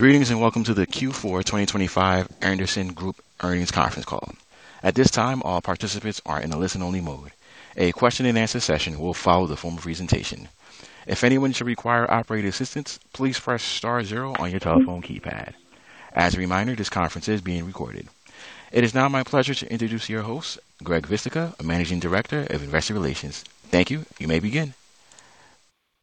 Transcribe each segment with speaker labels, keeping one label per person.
Speaker 1: Greetings and welcome to the Q4 2025 Andersen Group earnings conference Call. At this time, all participants are in a listen-only mode. A question-and-answer session will follow the formal presentation. If anyone should require operator assistance, please press star zero on your telephone keypad. As a reminder, this conference is being recorded. It is now my pleasure to introduce your host, Greg Vistica, Managing Director of Investor Relations. Thank you. You may begin.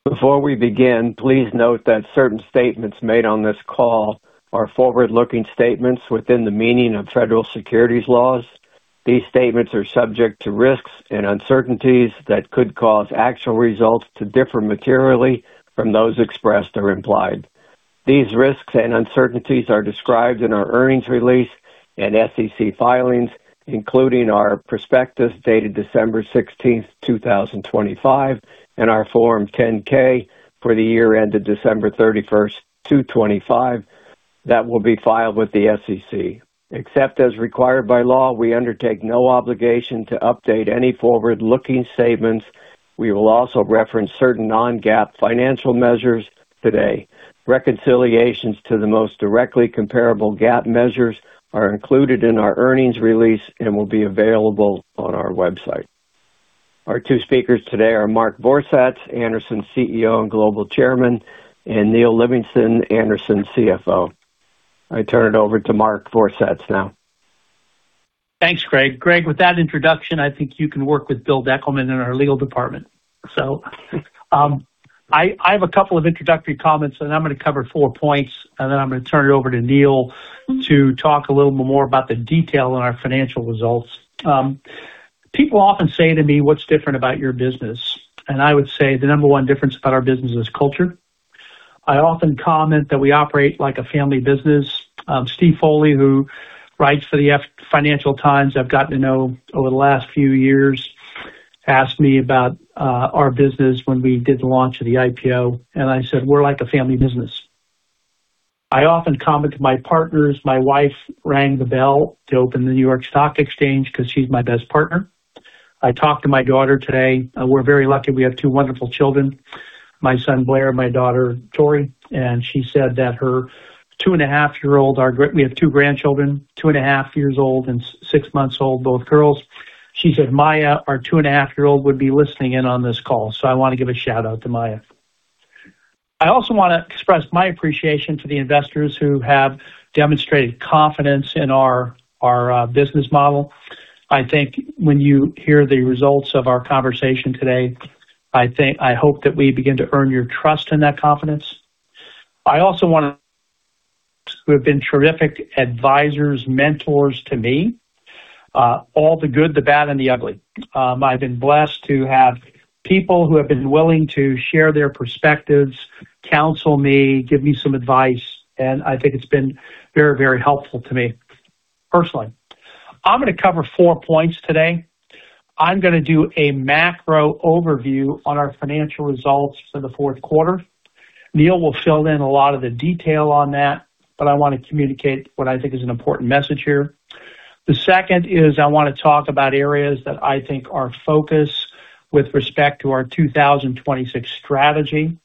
Speaker 2: Before we begin, please note that certain statements made on this call are forward-looking statements within the meaning of federal securities laws. These statements are subject to risks and uncertainties that could cause actual results to differ materially from those expressed or implied. These risks and uncertainties are described in our earnings release and SEC filings, including our prospectus dated December 16, 2025, and our Form 10-K for the year ended December 31, 2025, that will be filed with the SEC. Except as required by law, we undertake no obligation to update any forward-looking statements. We will also reference certain non-GAAP financial measures today. Reconciliations to the most directly comparable GAAP measures are included in our earnings release and will be available on our website. Our two speakers today are Mark Vorsatz, Andersen CEO and Global Chairman, and Neal Livingston, Andersen CFO. I turn it over to Mark Vorsatz now.
Speaker 3: Thanks, Greg. Greg, with that introduction, I think you can work with Bill Deckelman in our legal department. I have a couple of introductory comments, and I'm going to cover four points, and then I'm going to turn it over to Neal to talk a little bit more about the detail on our financial results. People often say to me, "What's different about your business?" I would say the number one difference about our business is culture. I often comment that we operate like a family business. Steve Foley, who writes for the Financial Times, I've gotten to know over the last few years, asked me about our business when we did the launch of the IPO, and I said, "We're like a family business." I often comment to my partners, my wife rang the bell to open the New York Stock Exchange because she's my best partner. I talked to my daughter today. We're very lucky. We have two wonderful children, my son Blair, my daughter Tory, and she said that her two-and-a-half-year-old. We have two grandchildren, two-and-a-half years old and six months old, both girls. She said Maya, our two-and-a-half-year-old, would be listening in on this call. I want to give a shout out to Maya. I also want to express my appreciation to the investors who have demonstrated confidence in our business model. I think when you hear the results of our conversation today, I hope that we begin to earn your trust and that confidence. Who have been terrific advisors, mentors to me, all the good, the bad, and the ugly. I've been blessed to have people who have been willing to share their perspectives, counsel me, give me some advice, and I think it's been very, very helpful to me personally. I'm gonna cover four points today. I'm gonna do a macro overview on our financial results for the fourth quarter. Neal will fill in a lot of the detail on that, but I wanna communicate what I think is an important message here. The second is I wanna talk about areas of focus with respect to our 2026 strategy.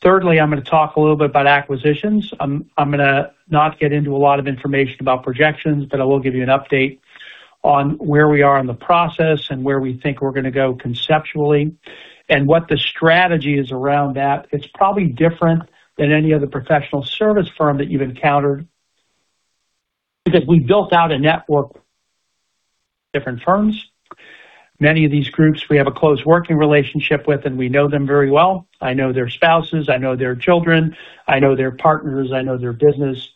Speaker 3: Thirdly, I'm gonna talk a little bit about acquisitions. I'm gonna not get into a lot of information about projections, but I will give you an update on where we are in the process and where we think we're gonna go conceptually and what the strategy is around that. It's probably different than any other professional service firm that you've encountered. Because we built out a network. Different firms. Many of these groups we have a close working relationship with, and we know them very well. I know their spouses, I know their children, I know their partners, I know their business.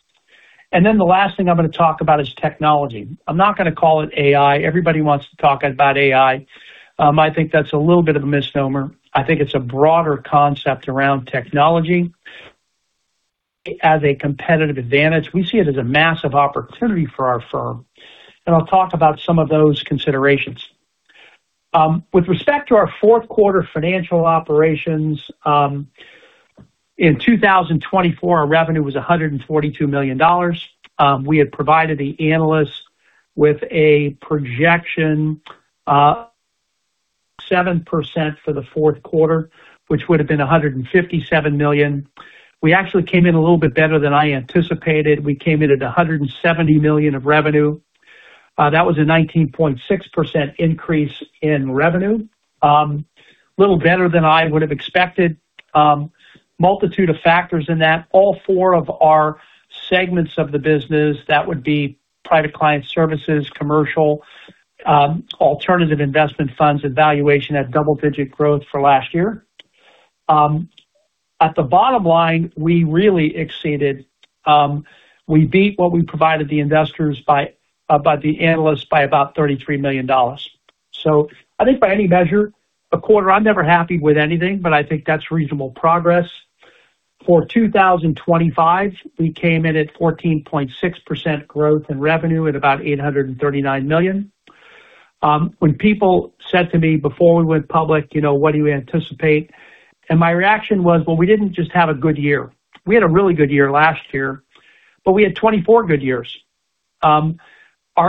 Speaker 3: The last thing I'm gonna talk about is technology. I'm not gonna call it AI. Everybody wants to talk about AI. I think that's a little bit of a misnomer. I think it's a broader concept around technology as a competitive advantage. We see it as a massive opportunity for our firm, and I'll talk about some of those considerations. With respect to our fourth quarter financial operations, in 2024, our revenue was $142 million. We had provided the analysts with a projection, 7% for the fourth quarter, which would have been $157 million. We actually came in a little bit better than I anticipated. We came in at $170 million of revenue. That was a 19.6% increase in revenue. A little better than I would have expected. Multitude of factors in that. All four of our segments of the business, that would be Private Client Services, commercial, alternative investment funds and valuation at double-digit growth for last year. At the bottom line, we really exceeded, we beat what we provided the investors, by the analysts, by about $33 million. I think by any measure, a quarter, I'm never happy with anything, but I think that's reasonable progress. For 2025, we came in at 14.6% growth in revenue at about $839 million. When people said to me before we went public, you know, "What do you anticipate?" My reaction was, well, we didn't just have a good year. We had a really good year last year, but we had 24 good years. Our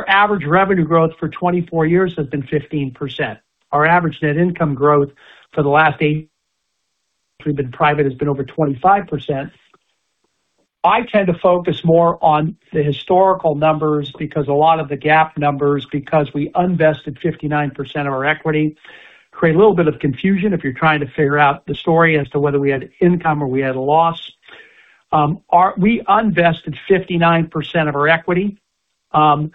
Speaker 3: average revenue growth for 24 years has been 15%. Our average net income growth for the last eight we've been private has been over 25%. I tend to focus more on the historical numbers because a lot of the GAAP numbers, because we unvested 59% of our equity, create a little bit of confusion if you're trying to figure out the story as to whether we had income or we had a loss. We unvested 59% of our equity. That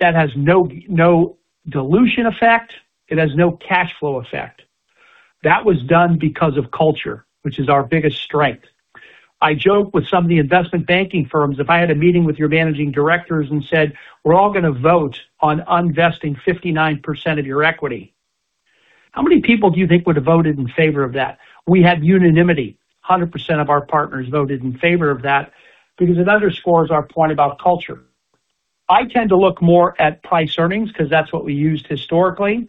Speaker 3: has no dilution effect. It has no cash flow effect. That was done because of culture, which is our biggest strength. I joke with some of the investment banking firms. If I had a meeting with your managing directors and said, "We're all gonna vote on unvesting 59% of your equity", how many people do you think would have voted in favor of that? We had unanimity. 100% of our partners voted in favor of that because it underscores our point about culture. I tend to look more at price earnings because that's what we used historically.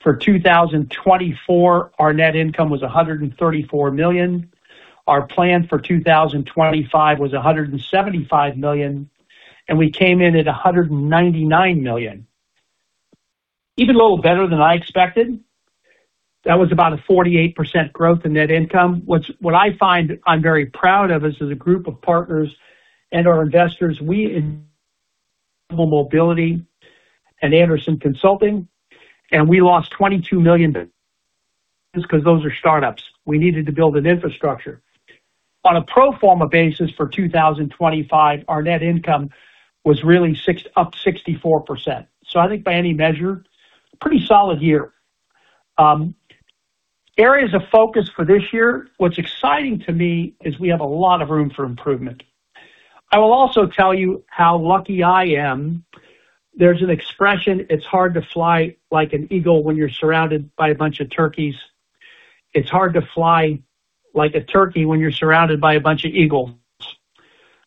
Speaker 3: For 2024, our net income was $134 million. Our plan for 2025 was $175 million, and we came in at $199 million. Even a little better than I expected. That was about a 48% growth in net income. What I find I'm very proud of is as a group of partners and our investors, Global Mobility and Andersen Consulting, and we lost $22 million because those are startups. We needed to build an infrastructure. On a pro forma basis for 2025, our net income was really up 64%. I think by any measure, pretty solid year. Areas of focus for this year. What's exciting to me is we have a lot of room for improvement. I will also tell you how lucky I am. There's an expression, it's hard to fly like an eagle when you're surrounded by a bunch of turkeys. It's hard to fly like a turkey when you're surrounded by a bunch of eagles.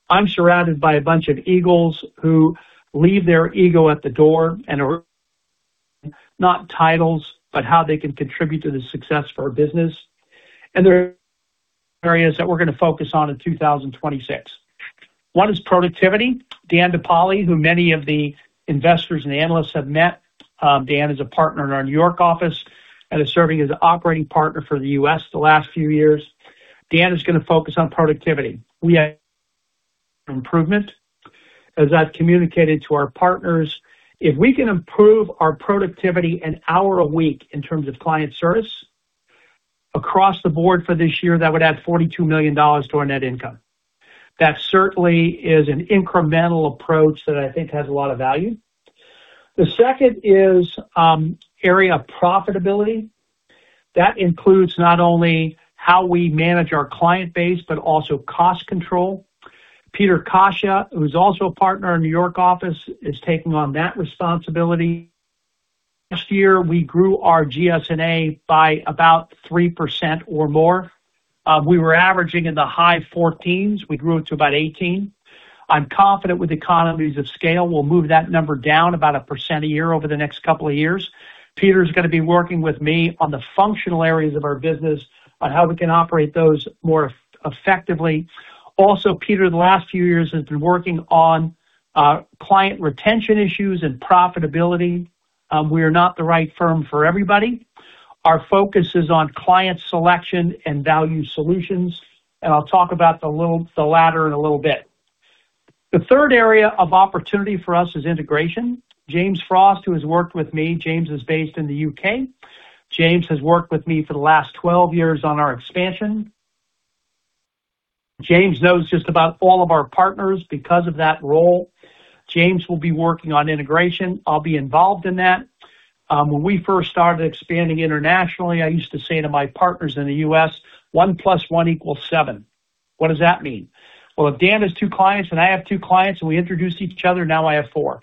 Speaker 3: I'm surrounded by a bunch of eagles who leave their ego at the door and not titles, but how they can contribute to the success for our business. There are areas that we're gonna focus on in 2026. One is productivity. Dan DePaoli, who many of the investors and analysts have met. Dan is a partner in our New York office and is serving as operating partner for the U.S. the last few years. Dan is gonna focus on productivity. We have improvement. As I've communicated to our partners, if we can improve our productivity an hour a week in terms of client service across the board for this year, that would add $42 million to our net income. That certainly is an incremental approach that I think has a lot of value. The second is area of profitability. That includes not only how we manage our client base, but also cost control. Peter Coscia, who's also a Partner in New York office, is taking on that responsibility. Last year, we grew our G&A by about 3% or more. We were averaging in the high 14s. We grew it to about 18. I'm confident with economies of scale, we'll move that number down about 1% a year over the next couple of years. Peter is gonna be working with me on the functional areas of our business, on how we can operate those more effectively. Also, Peter, the last few years, has been working on client retention issues and profitability. We are not the right firm for everybody. Our focus is on client selection and value solutions, and I'll talk about the latter in a little bit. The third area of opportunity for us is integration. James Frost, who has worked with me, is based in the U.K. James has worked with me for the last 12 years on our expansion. James knows just about all of our partners because of that role. James will be working on integration. I'll be involved in that. When we first started expanding internationally, I used to say to my partners in the U.S., 1 + 1 = 7. What does that mean? Well, if Dan has two clients and I have two clients, and we introduce each other, now I have four.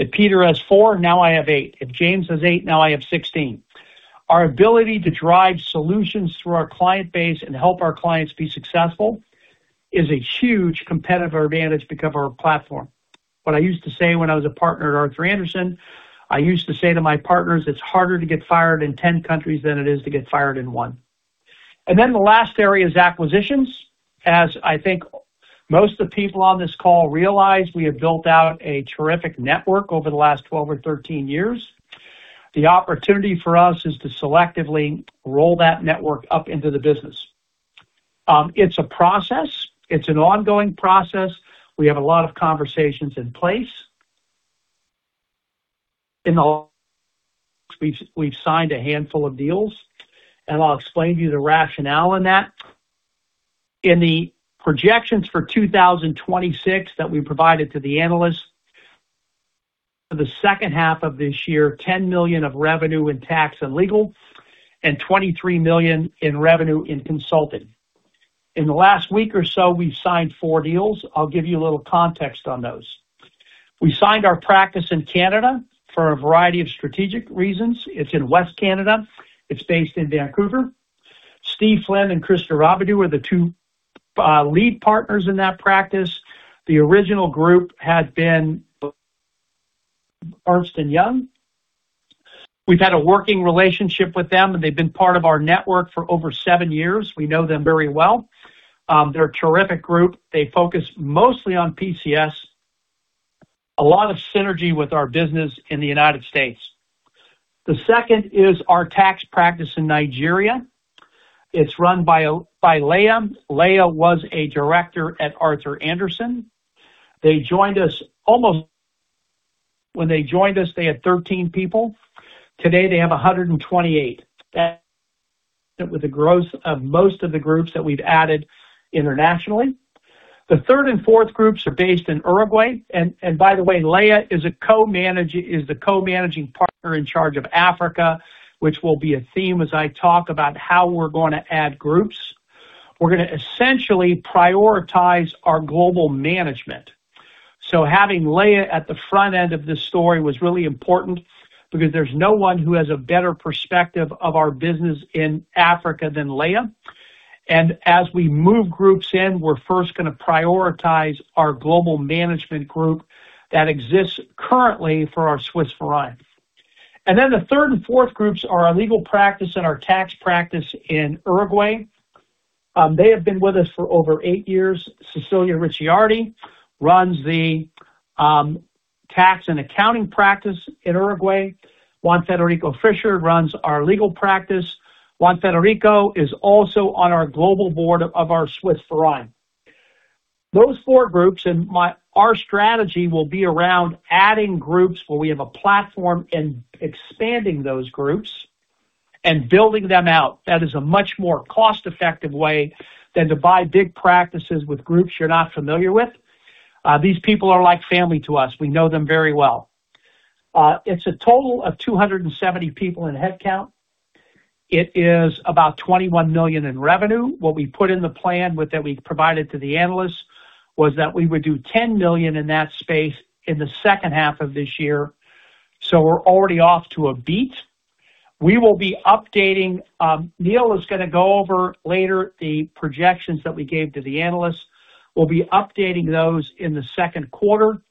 Speaker 3: If Peter has four, now I have eight. If James has eight, now I have 16. Our ability to drive solutions through our client base and help our clients be successful is a huge competitive advantage because of our platform. What I used to say when I was a partner at Arthur Andersen, I used to say to my partners, it's harder to get fired in 10 countries than it is to get fired in one. The last area is acquisitions. As I think most of the people on this call realize, we have built out a terrific network over the last 12 or 13 years. The opportunity for us is to selectively roll that network up into the business. It's a process. It's an ongoing process. We have a lot of conversations in place. We've signed a handful of deals, and I'll explain to you the rationale in that. In the projections for 2026 that we provided to the analysts, for the second half of this year, $10 million of revenue in tax and legal and $23 million in revenue in consulting. In the last week or so, we've signed four deals. I'll give you a little context on those. We signed our practice in Canada for a variety of strategic reasons. It's in West Canada. It's based in Vancouver. Steve Flynn and Krista Rabidoux were the two lead partners in that practice. The original group had been Ernst & Young. We've had a working relationship with them, and they've been part of our network for over seven years. We know them very well. They're a terrific group. They focus mostly on PCS. A lot of synergy with our business in the United States. The second is our tax practice in Nigeria. It's run by Olaleye Adebiyi. Olaleye Adebiyi was a director at Arthur Andersen. When they joined us, they had 13 people. Today, they have 128. That with the growth of most of the groups that we've added internationally. The third and fourth groups are based in Uruguay. By the way, Olaleye Adebiyi is the co-managing partner in charge of Africa, which will be a theme as I talk about how we're gonna add groups. We're gonna essentially prioritize our global management. Having Olaleye Adebiyi at the front end of this story was really important because there's no one who has a better perspective of our business in Africa than Olaleye Adebiyi. As we move groups in, we're first gonna prioritize our global management group that exists currently for our Swiss Verein. Then the third and fourth groups are our legal practice and our tax practice in Uruguay. They have been with us for over eight years. Cecilia Ricciardi runs the tax and accounting practice in Uruguay. Juan Federico Fischer runs our legal practice. Juan Federico is also on our global board of our Swiss Verein. Those four groups, our strategy will be around adding groups where we have a platform and expanding those groups and building them out. That is a much more cost-effective way than to buy big practices with groups you're not familiar with. These people are like family to us. We know them very well. It's a total of 270 people in headcount. It is about $21 million in revenue. What we put in the plan with that we provided to the analysts was that we would do $10 million in that space in the second half of this year. We're already off to a beat. We will be updating. Neal is gonna go over later the projections that we gave to the analysts. We'll be updating those in the second quarter.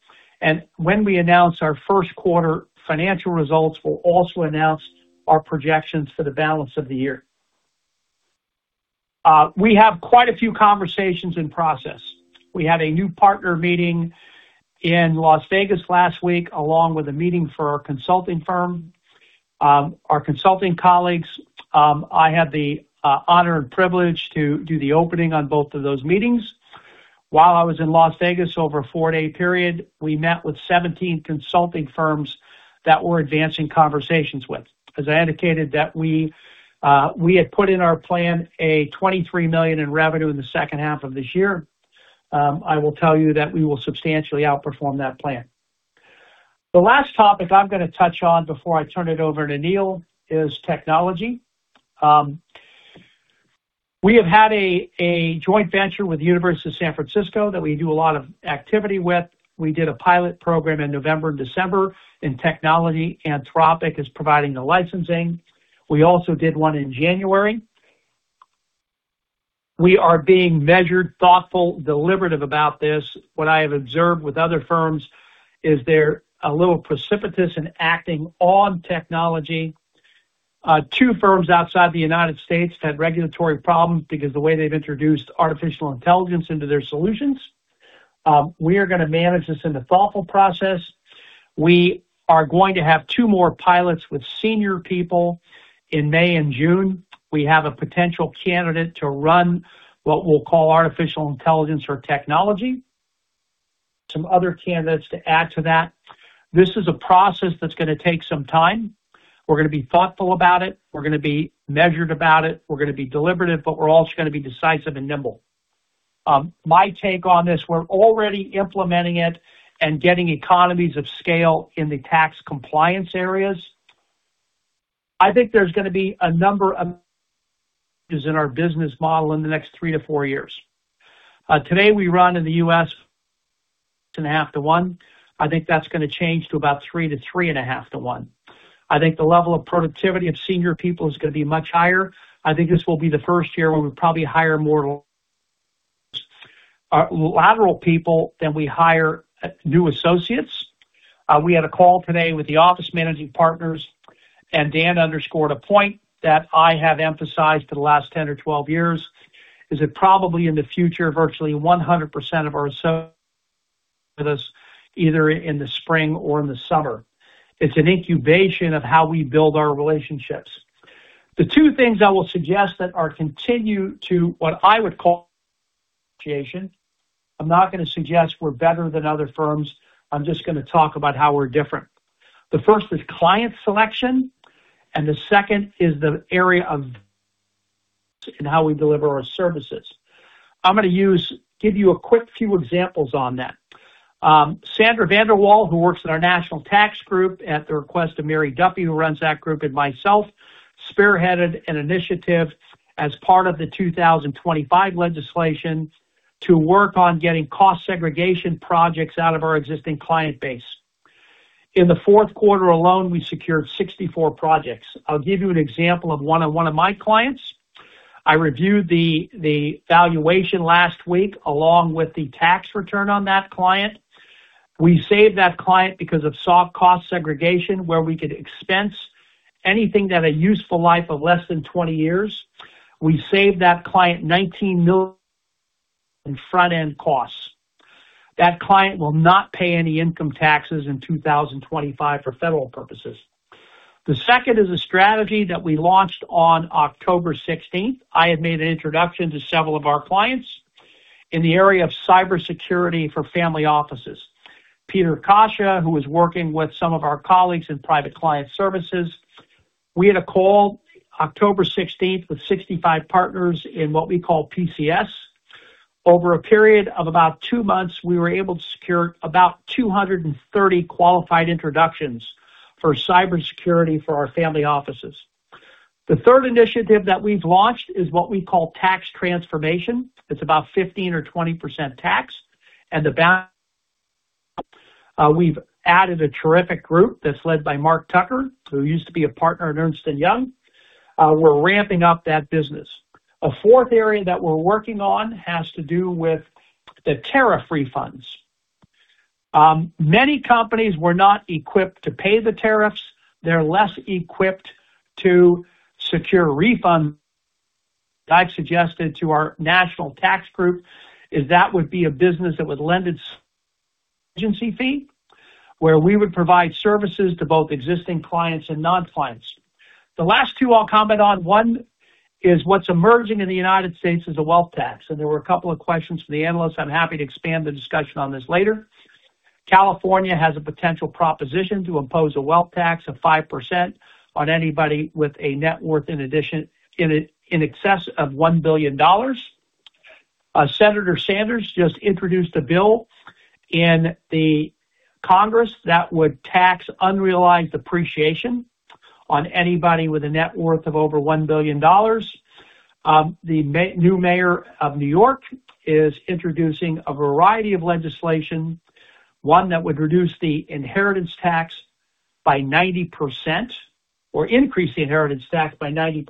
Speaker 3: When we announce our first quarter financial results, we'll also announce our projections for the balance of the year. We have quite a few conversations in process. We had a new partner meeting in Las Vegas last week, along with a meeting for our consulting firm. Our consulting colleagues, I had the honor and privilege to do the opening on both of those meetings. While I was in Las Vegas over a four-day period, we met with 17 consulting firms that we're advancing conversations with. As I indicated that we had put in our plan $23 million in revenue in the second half of this year. I will tell you that we will substantially outperform that plan. The last topic I'm gonna touch on before I turn it over to Neal is technology. We have had a joint venture with the University of San Francisco that we do a lot of activity with. We did a pilot program in November and December in technology. Anthropic is providing the licensing. We also did one in January. We are being measured, thoughtful, deliberative about this. What I have observed with other firms is they're a little precipitous in acting on technology. Two firms outside the United States had regulatory problems because of the way they've introduced artificial intelligence into their solutions. We are gonna manage this in a thoughtful process. We are going to have two more pilots with senior people in May and June. We have a potential candidate to run what we'll call artificial intelligence or technology. Some other candidates to add to that. This is a process that's gonna take some time. We're gonna be thoughtful about it. We're gonna be measured about it. We're gonna be deliberative, but we're also gonna be decisive and nimble. My take on this, we're already implementing it and getting economies of scale in the tax compliance areas. I think there's gonna be a number of changes in our business model in the next three to four years. Today, we run in the U.S. 2.5 to one. I think that's gonna change to about three to 3.5 to one. I think the level of productivity of senior people is gonna be much higher. I think this will be the first year when we probably hire more lateral people than we hire new associates. We had a call today with the office managing partners, and Dan underscored a point that I have emphasized for the last 10 or 12 years, is that probably in the future, virtually 100% of our associates with us either in the spring or in the summer. It's an incubation of how we build our relationships. The two things I will suggest that are continue to what I would call. I'm not gonna suggest we're better than other firms. I'm just gonna talk about how we're different. The first is client selection, and the second is the area of, and how we deliver our services. I'm gonna give you a quick few examples on that. Sandra Van De Walle, who works at our national tax group at the request of Mary Duffy, who runs that group, and myself, spearheaded an initiative as part of the 2025 legislation to work on getting cost segregation projects out of our existing client base. In the fourth quarter alone, we secured 64 projects. I'll give you an example of one of my clients. I reviewed the valuation last week along with the tax return on that client. We saved that client because of soft cost segregation, where we could expense anything that had useful life of less than 20 years. We saved that client $19 million in front-end costs. That client will not pay any income taxes in 2025 for federal purposes. The second is a strategy that we launched on October 16. I had made an introduction to several of our clients in the area of cybersecurity for family offices. Peter Coscia, who is working with some of our colleagues in Private Client Services. We had a call October 16 with 65 partners in what we call PCS. Over a period of about two months, we were able to secure about 230 qualified introductions for cybersecurity for our family offices. The third initiative that we've launched is what we call tax transformation. It's about 15%-20% tax. We've added a terrific group that's led by Mark Tucker, who used to be a partner at Ernst & Young. We're ramping up that business. A fourth area that we're working on has to do with the tariff refunds. Many companies were not equipped to pay the tariffs. They're less equipped to secure refunds. I've suggested to our national tax group that that would be a business that would lend itself to agency fees, where we would provide services to both existing clients and non-clients. The last two I'll comment on. One is what's emerging in the United States, a wealth tax. There were a couple of questions from the analysts. I'm happy to expand the discussion on this later. California has a potential proposition to impose a wealth tax of 5% on anybody with a net worth in excess of $1 billion. Senator Sanders just introduced a bill in Congress that would tax unrealized appreciation on anybody with a net worth of over $1 billion. The new mayor of New York is introducing a variety of legislation, one that would reduce the inheritance tax by 90% or increase the inheritance tax by 90%.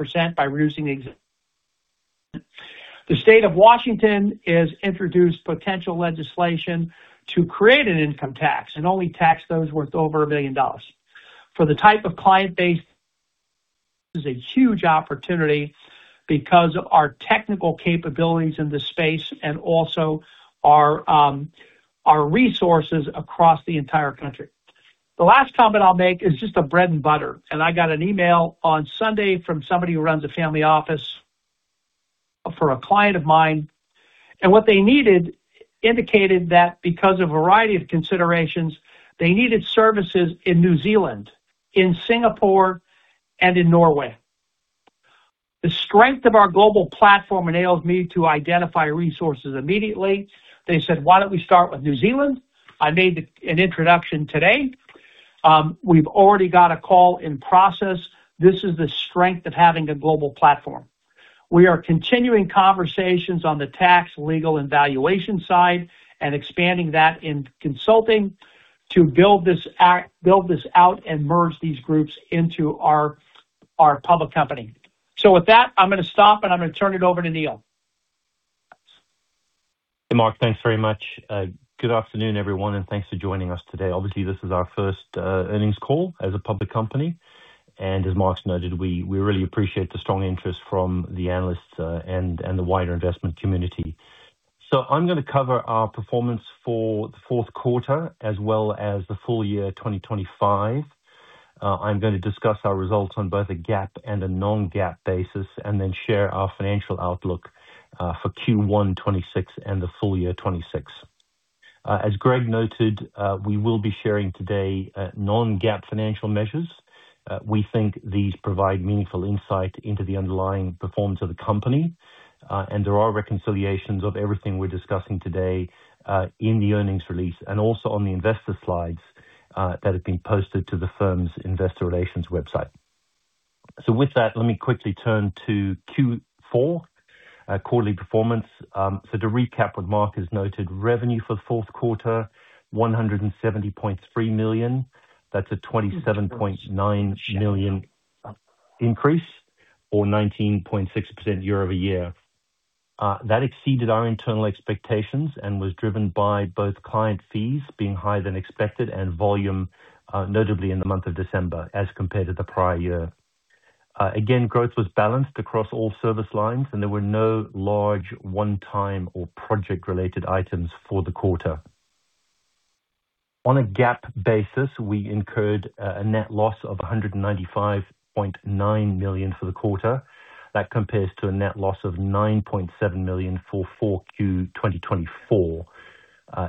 Speaker 3: The State of Washington has introduced potential legislation to create an income tax and only tax those worth over $1 billion. For the type of client base, is a huge opportunity because of our technical capabilities in this space and also our resources across the entire country. The last comment I'll make is just a bread and butter. I got an email on Sunday from somebody who runs a family office for a client of mine. What they needed indicated that because of a variety of considerations, they needed services in New Zealand, in Singapore, and in Norway. The strength of our global platform enables me to identify resources immediately. They said, "Why don't we start with New Zealand?" I made an introduction today. We've already got a call in process. This is the strength of having a global platform. We are continuing conversations on the tax, legal, and valuation side and expanding that in consulting to build this out and merge these groups into our public company. With that, I'm gonna stop and I'm gonna turn it over to Neal.
Speaker 4: Mark, thanks very much. Good afternoon, everyone, and thanks for joining us today. Obviously, this is our first earnings call as a public company. As Mark's noted, we really appreciate the strong interest from the analysts and the wider investment community. I'm gonna cover our performance for the fourth quarter as well as the full-year 2025. I'm gonna discuss our results on both a GAAP and a non-GAAP basis and then share our financial outlook for Q1 2026 and the full-year 2026. As Greg noted, we will be sharing today non-GAAP financial measures. We think these provide meaningful insight into the underlying performance of the company. There are reconciliations of everything we're discussing today in the earnings release and also on the investor slides that have been posted to the firm's Investor Relations website. With that, let me quickly turn to Q4 quarterly performance. To recap what Mark has noted, revenue for the fourth quarter, $170.3 million. That's a $27.9 million increase or 19.6% year-over-year. That exceeded our internal expectations and was driven by both client fees being higher than expected and volume, notably in the month of December as compared to the prior year. Again, growth was balanced across all service lines, and there were no large one-time or project-related items for the quarter. On a GAAP basis, we incurred a net loss of $195.9 million for the quarter. That compares to a net loss of $9.7 million for Q4 2024.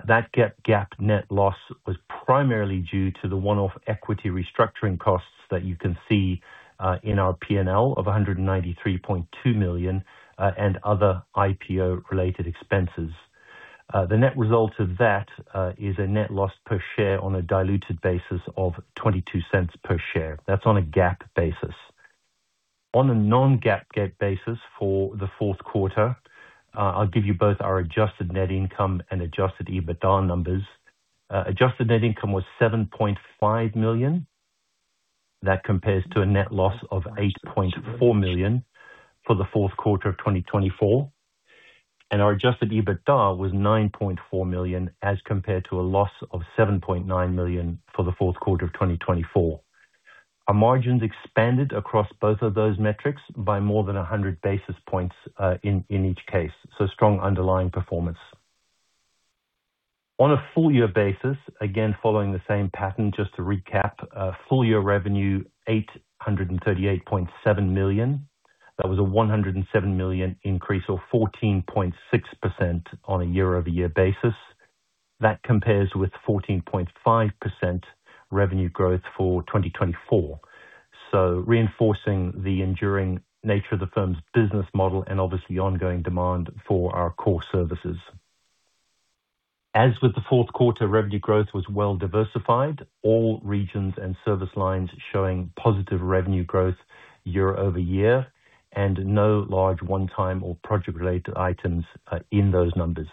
Speaker 4: That GAAP net loss was primarily due to the one-off equity restructuring costs that you can see in our P&L of $193.2 million and other IPO-related expenses. The net result of that is a net loss per share on a diluted basis of $0.22 per share. That's on a GAAP basis. On a non-GAAP basis for the fourth quarter, I'll give you both our adjusted net income and adjusted EBITDA numbers. Adjusted net income was $7.5 million. That compares to a net loss of $8.4 million for the fourth quarter of 2024. Our adjusted EBITDA was $9.4 million as compared to a loss of $7.9 million for the fourth quarter of 2024. Our margins expanded across both of those metrics by more than 100 basis points in each case. Strong underlying performance. On a full-year basis, again, following the same pattern just to recap. full-year revenue $838.7 million. That was a $107 million increase or 14.6% on a year-over-year basis. That compares with 14.5% revenue growth for 2024. Reinforcing the enduring nature of the firm's business model and obviously ongoing demand for our core services. As with the fourth quarter, revenue growth was well diversified. All regions and service lines showing positive revenue growth year-over-year and no large one-time or project related items in those numbers.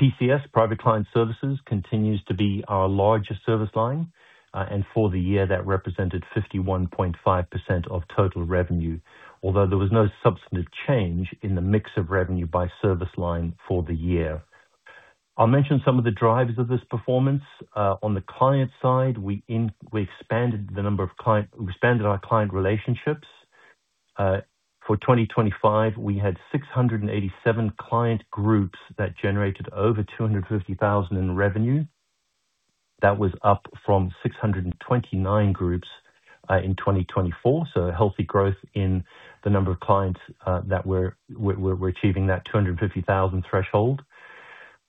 Speaker 4: PCS, Private Client Services, continues to be our largest service line, and for the year that represented 51.5% of total revenue. Although there was no substantive change in the mix of revenue by service line for the year. I'll mention some of the drivers of this performance. On the client side, we expanded our client relationships. For 2025, we had 687 client groups that generated over $250,000 in revenue. That was up from 629 groups in 2024. A healthy growth in the number of clients that we're achieving that $250,000 threshold.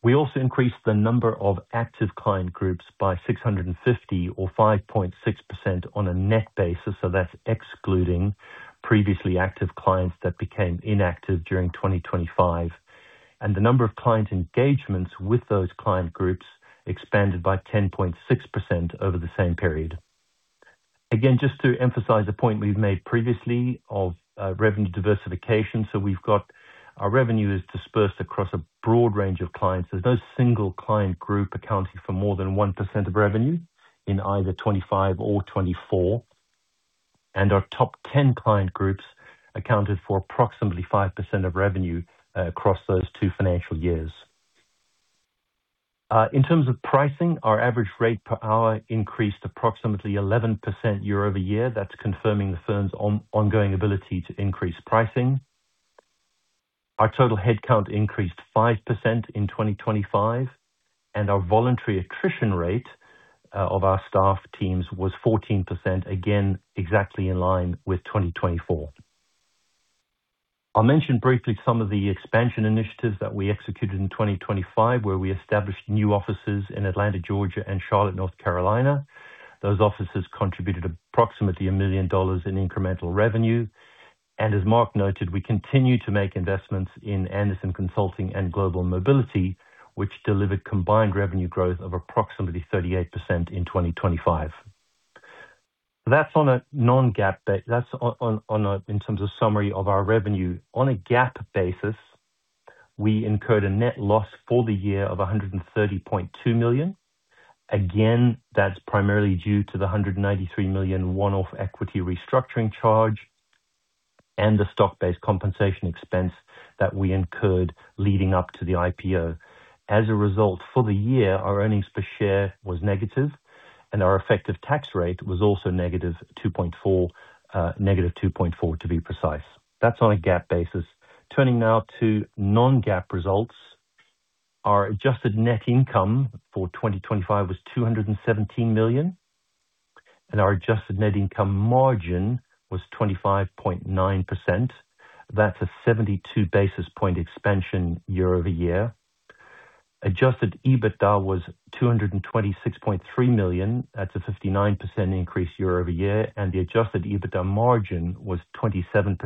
Speaker 4: We also increased the number of active client groups by 650 or 5.6% on a net basis. That's excluding previously active clients that became inactive during 2025. The number of client engagements with those client groups expanded by 10.6% over the same period. Again, just to emphasize a point we've made previously of, revenue diversification. We've got our revenue is dispersed across a broad range of clients. There's no single client group accounting for more than 1% of revenue in either 2025 or 2024. Our top 10 client groups accounted for approximately 5% of revenue, across those two financial years. In terms of pricing, our average rate per hour increased approximately 11% year-over-year. That's confirming the firm's ongoing ability to increase pricing. Our total headcount increased 5% in 2025, and our voluntary attrition rate of our staff teams was 14%, again, exactly in line with 2024. I'll mention briefly some of the expansion initiatives that we executed in 2025, where we established new offices in Atlanta, Georgia and Charlotte, North Carolina. Those offices contributed approximately $1 million in incremental revenue. As Mark noted, we continue to make investments in Andersen Consulting and Global Mobility, which delivered combined revenue growth of approximately 38% in 2025. That's on a non-GAAP basis in terms of summary of our revenue. On a GAAP basis, we incurred a net loss for the year of $130.2 million. Again, that's primarily due to the $183 million one-off equity restructuring charge and the stock-based compensation expense that we incurred leading up to the IPO. As a result, for the year, our earnings per share was negative and our effective tax rate was also -2.4% to be precise. That's on a GAAP basis. Turning now to non-GAAP results. Our adjusted net income for 2025 was $217 million, and our adjusted net income margin was 25.9%. That's a 72 basis point expansion year-over-year. Adjusted EBITDA was $226.3 million. That's a 59% increase year-over-year. The adjusted EBITDA margin was 27%.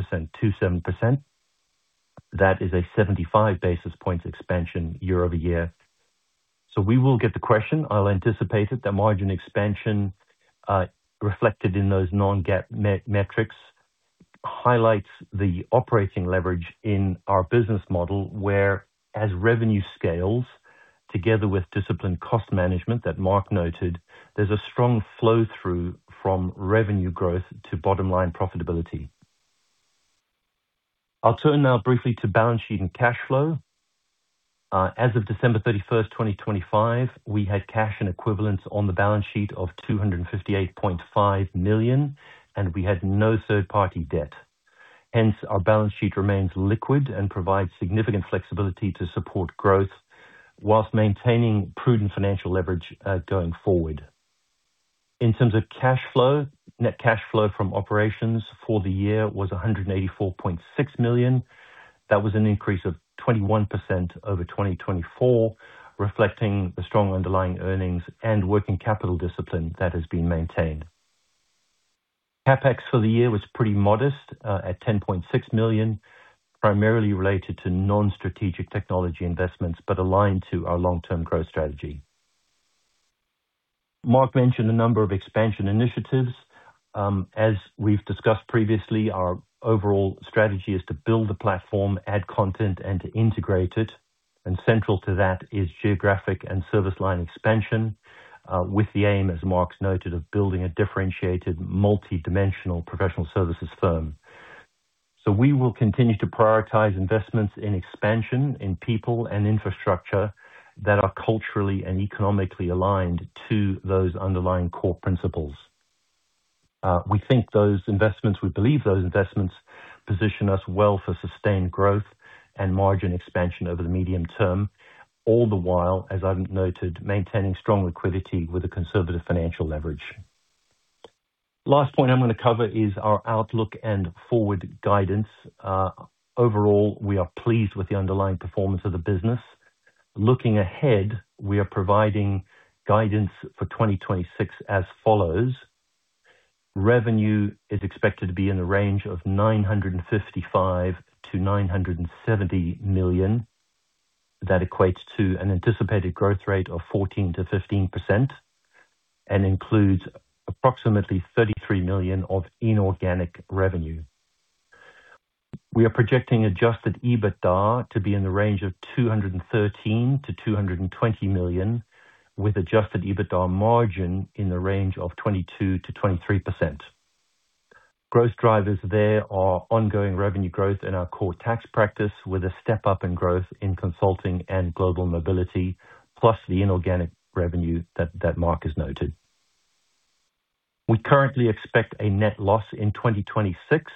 Speaker 4: That is a 75 basis points expansion year-over-year. We will get the question. I'll anticipate it. The margin expansion reflected in those non-GAAP metrics highlights the operating leverage in our business model, where as revenue scales together with disciplined cost management that Mark noted, there's a strong flow through from revenue growth to bottom line profitability. I'll turn now briefly to balance sheet and cash flow. As of December 31, 2025, we had cash and equivalents on the balance sheet of $258.5 million, and we had no third party debt. Hence, our balance sheet remains liquid and provides significant flexibility to support growth while maintaining prudent financial leverage going forward. In terms of cash flow, net cash flow from operations for the year was $184.6 million. That was an increase of 21% over 2024, reflecting the strong underlying earnings and working capital discipline that has been maintained. CapEx for the year was pretty modest at $10.6 million, primarily related to non-strategic technology investments, but aligned to our long-term growth strategy. Mark mentioned a number of expansion initiatives. As we've discussed previously, our overall strategy is to build the platform, add content, and to integrate it. Central to that is geographic and service line expansion, with the aim, as Mark's noted, of building a differentiated, multi-dimensional professional services firm. We will continue to prioritize investments in expansion in people and infrastructure that are culturally and economically aligned to those underlying core principles. We believe those investments position us well for sustained growth and margin expansion over the medium term. All the while, as I've noted, maintaining strong liquidity with a conservative financial leverage. Last point I'm gonna cover is our outlook and forward guidance. Overall, we are pleased with the underlying performance of the business. Looking ahead, we are providing guidance for 2026 as follows. Revenue is expected to be in the range of $955 million-$970 million. That equates to an anticipated growth rate of 14%-15% and includes approximately $33 million of inorganic revenue. We are projecting adjusted EBITDA to be in the range of $213 million-$220 million, with adjusted EBITDA margin in the range of 22%-23%. Gross drivers there are ongoing revenue growth in our core tax practice, with a step up in growth in consulting and Global Mobility, plus the inorganic revenue that Mark has noted. We currently expect a net loss in 2026.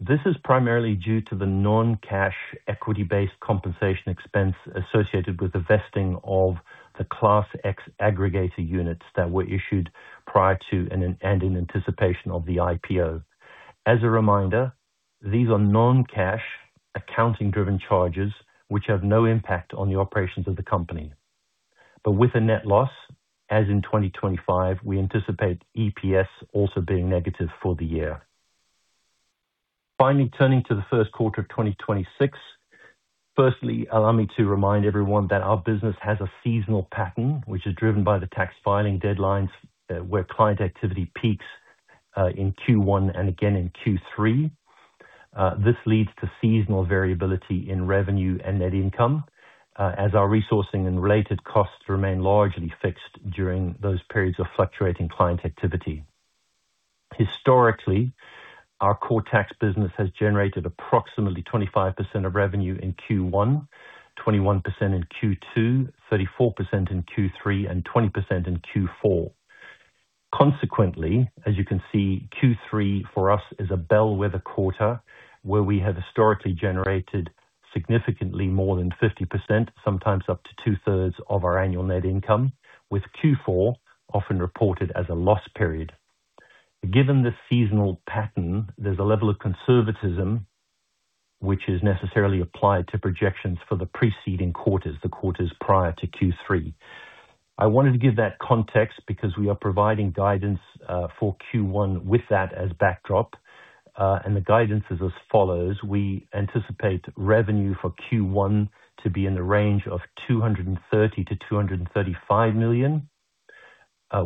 Speaker 4: This is primarily due to the non-cash equity-based compensation expense associated with the vesting of the Class X aggregator units that were issued prior to and in anticipation of the IPO. As a reminder, these are non-cash accounting driven charges which have no impact on the operations of the company. With a net loss, as in 2025, we anticipate EPS also being negative for the year. Finally turning to the first quarter of 2026. Firstly, allow me to remind everyone that our business has a seasonal pattern, which is driven by the tax filing deadlines, where client activity peaks in Q1 and again in Q3. This leads to seasonal variability in revenue and net income, as our resourcing and related costs remain largely fixed during those periods of fluctuating client activity. Historically, our core tax business has generated approximately 25% of revenue in Q1, 21% in Q2, 34% in Q3, and 20% in Q4. Consequently, as you can see, Q3 for us is a bellwether quarter where we have historically generated significantly more than 50%, sometimes up to 2/3 of our annual net income, with Q4 often reported as a loss period. Given the seasonal pattern, there's a level of conservatism which is necessarily applied to projections for the preceding quarters, the quarters prior to Q3. I wanted to give that context because we are providing guidance for Q1 with that as backdrop. The guidance is as follows. We anticipate revenue for Q1 to be in the range of $230 million-$235 million.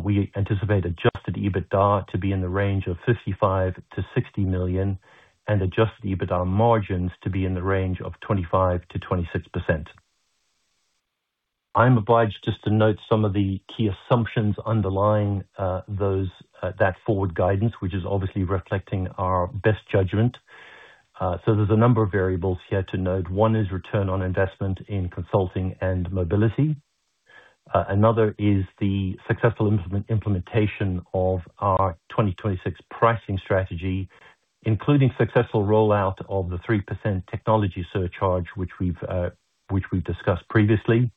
Speaker 4: We anticipate adjusted EBITDA to be in the range of $55 million-$60 million and adjusted EBITDA margins to be in the range of 25%-26%. I'm obliged just to note some of the key assumptions underlying those, that forward guidance, which is obviously reflecting our best judgment. There's a number of variables here to note. One is return on investment in consulting and mobility. Another is the successful implementation of our 2026 pricing strategy, including successful rollout of the 3% technology surcharge, which we've discussed previously.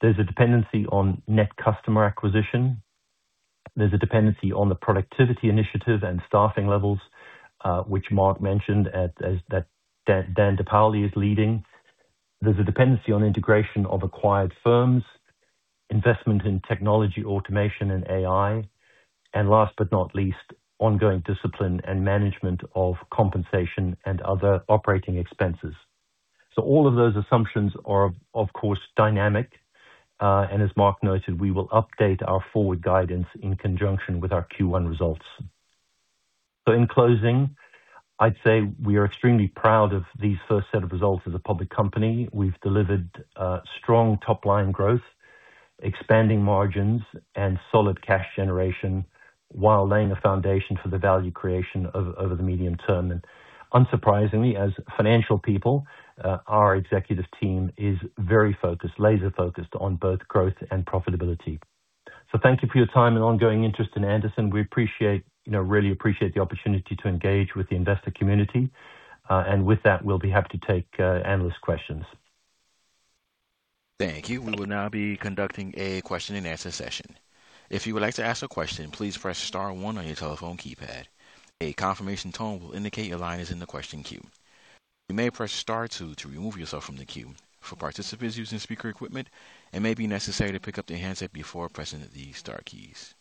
Speaker 4: There's a dependency on net customer acquisition. There's a dependency on the productivity initiative and staffing levels, which Mark mentioned as that Dan DePaoli is leading. There's a dependency on integration of acquired firms, investment in technology, automation, and AI. Last but not least, ongoing discipline and management of compensation and other operating expenses. All of those assumptions are of course dynamic. As Mark noted, we will update our forward guidance in conjunction with our Q1 results. In closing, I'd say we are extremely proud of these first set of results as a public company. We've delivered, strong top-line growth, expanding margins and solid cash generation while laying the foundation for the value creation over the medium term. Unsurprisingly, as financial people, our executive team is very focused, laser-focused on both growth and profitability. Thank you for your time and ongoing interest in Andersen. We appreciate, you know, really appreciate the opportunity to engage with the investor community. With that, we'll be happy to take, analyst questions.
Speaker 1: Thank you. We will now be conducting a question-and-answer session. If you would like to ask a question, please press star one on your telephone keypad. A confirmation tone will indicate your line is in the question queue. You may press star two to remove yourself from the queue. For participants using speaker equipment, it may be necessary to pick up the handset before pressing the star keys.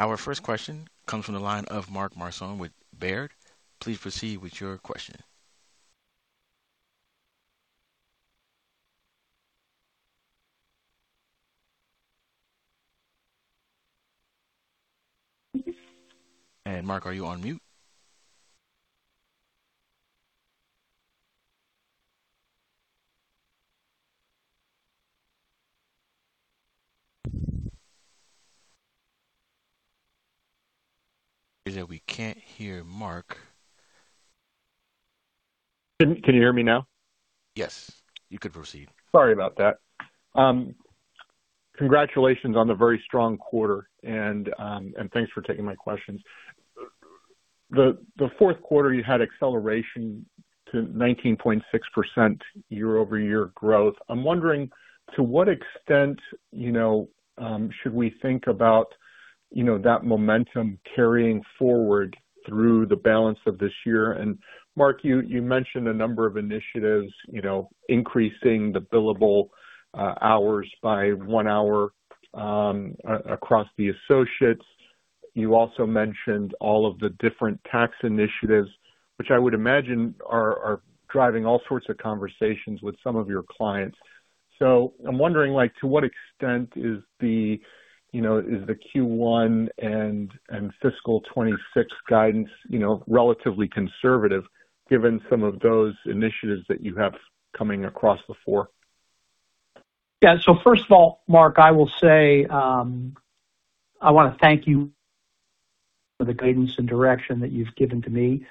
Speaker 1: Our first question comes from the line of Mark Marcon with Baird. Please proceed with your question. Mark, are you on mute? We can't hear Mark.
Speaker 5: Can you hear me now?
Speaker 1: Yes, you could proceed.
Speaker 5: Sorry about that. Congratulations on the very strong quarter and thanks for taking my questions. The fourth quarter, you had acceleration to 19.6% year-over-year growth. I'm wondering to what extent, you know, should we think about, you know, that momentum carrying forward through the balance of this year? Mark, you mentioned a number of initiatives, you know, increasing the billable hours by one hour across the associates. You also mentioned all of the different tax initiatives, which I would imagine are driving all sorts of conversations with some of your clients. I'm wondering, like, to what extent is the Q1 and fiscal year 2026 guidance relatively conservative given some of those initiatives that you have coming to the fore?
Speaker 3: Yeah. First of all, Mark, I will say, I wanna thank you for the guidance and direction that you've given to me.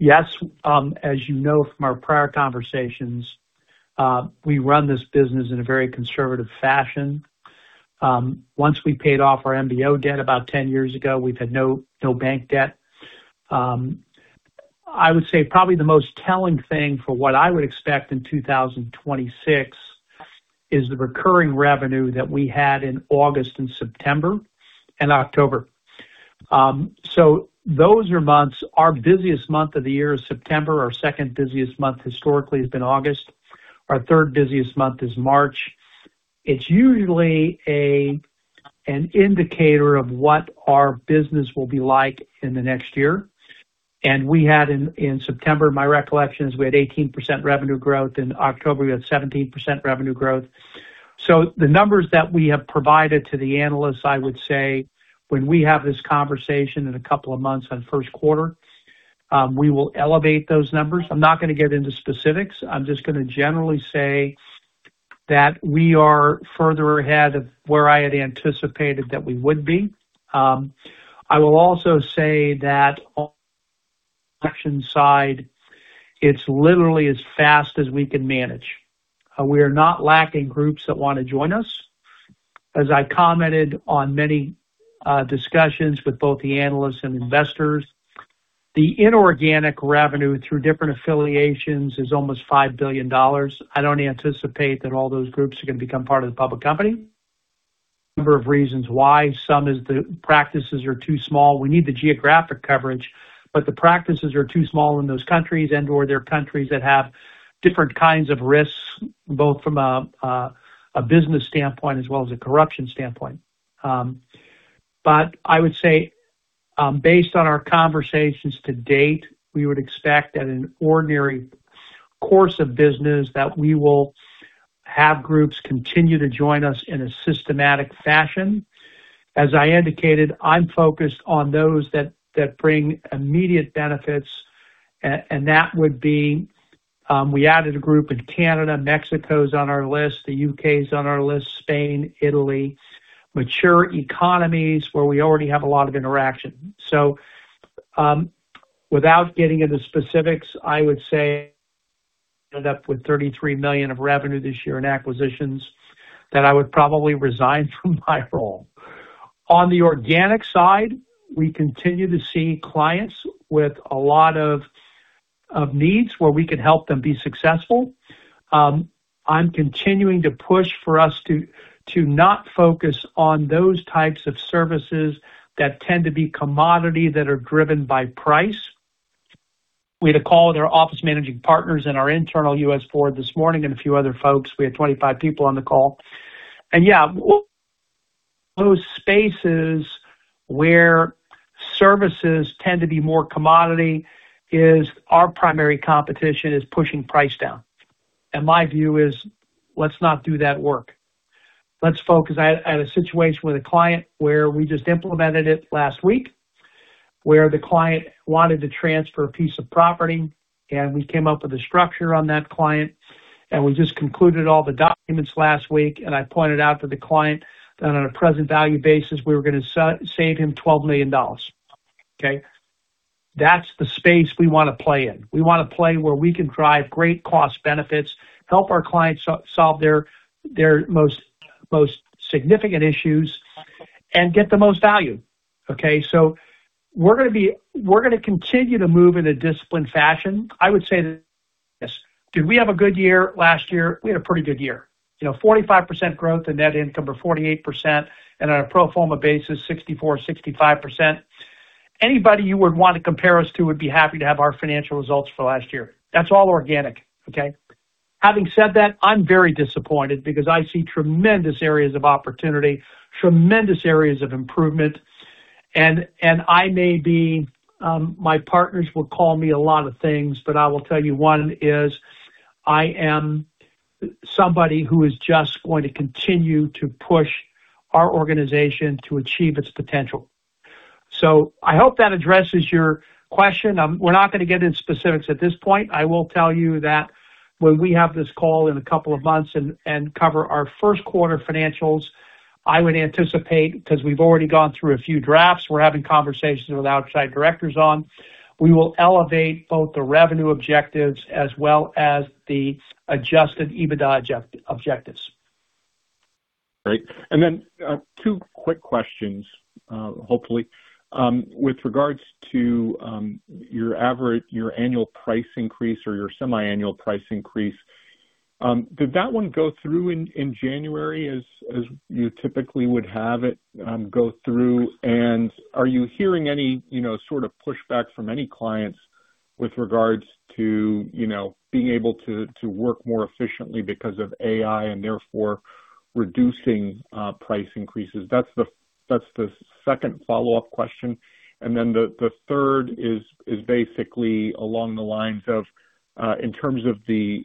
Speaker 3: Yes, as you know from our prior conversations, we run this business in a very conservative fashion. Once we paid off our MBO debt about 10 years ago, we've had no bank debt. I would say probably the most telling thing for what I would expect in 2026 is the recurring revenue that we had in August and September and October. Those are months. Our busiest month of the year is September. Our second busiest month historically has been August. Our third busiest month is March. It's usually an indicator of what our business will be like in the next year. We had in September, my recollection is we had 18% revenue growth. In October, we had 17% revenue growth. The numbers that we have provided to the analysts, I would say when we have this conversation in a couple of months on first quarter, we will elevate those numbers. I'm not gonna get into specifics. I'm just gonna generally say that we are further ahead of where I had anticipated that we would be. I will also say that on the production side, it's literally as fast as we can manage. We are not lacking groups that wanna join us. As I commented on many discussions with both the analysts and investors, the inorganic revenue through different affiliations is almost $5 billion. I don't anticipate that all those groups are gonna become part of the public company. Number of reasons why. Some of the practices are too small. We need the geographic coverage, but the practices are too small in those countries and/or there are countries that have different kinds of risks, both from a business standpoint as well as a corruption standpoint. I would say, based on our conversations to date, we would expect in the ordinary course of business that we will have groups continue to join us in a systematic fashion. As I indicated, I'm focused on those that bring immediate benefits. That would be, we added a group in Canada, Mexico is on our list, the U.K. is on our list, Spain, Italy, mature economies where we already have a lot of interaction. Without getting into specifics, I would say end up with $33 million of revenue this year in acquisitions, that I would probably resign from my role. On the organic side, we continue to see clients with a lot of needs where we can help them be successful. I'm continuing to push for us to not focus on those types of services that tend to be commodity, that are driven by price. We had a call with our office managing partners and our internal U.S. board this morning and a few other folks. We had 25 people on the call. Yeah, those spaces where services tend to be more commodity is our primary competition is pushing price down. My view is, let's not do that work. Let's focus. I had a situation with a client where we just implemented it last week, where the client wanted to transfer a piece of property, and we came up with a structure on that client, and we just concluded all the documents last week. I pointed out to the client that on a present value basis, we were gonna save him $12 million. Okay. That's the space we wanna play in. We wanna play where we can drive great cost benefits, help our clients solve their most significant issues and get the most value. Okay. We're gonna continue to move in a disciplined fashion. I would say this. Did we have a good year last year? We had a pretty good year. You know, 45% growth in net income or 48%. On a pro forma basis, 64%-65%. Anybody you would want to compare us to would be happy to have our financial results for last year. That's all organic. Okay? Having said that, I'm very disappointed because I see tremendous areas of opportunity, tremendous areas of improvement. I may be, my partners will call me a lot of things, but I will tell you one is I am somebody who is just going to continue to push our organization to achieve its potential. I hope that addresses your question. We're not gonna get into specifics at this point. I will tell you that when we have this call in a couple of months and cover our first quarter financials, I would anticipate, because we've already gone through a few drafts, we're having conversations with outside directors on, we will elevate both the revenue objectives as well as the adjusted EBITDA objectives.
Speaker 5: Great. Two quick questions, hopefully. With regards to your annual price increase or your semiannual price increase, did that one go through in January as you typically would have it go through? Are you hearing any, you know, sort of pushback from any clients with regards to, you know, being able to work more efficiently because of AI and therefore reducing price increases? That's the second follow-up question. The third is basically along the lines of, in terms of the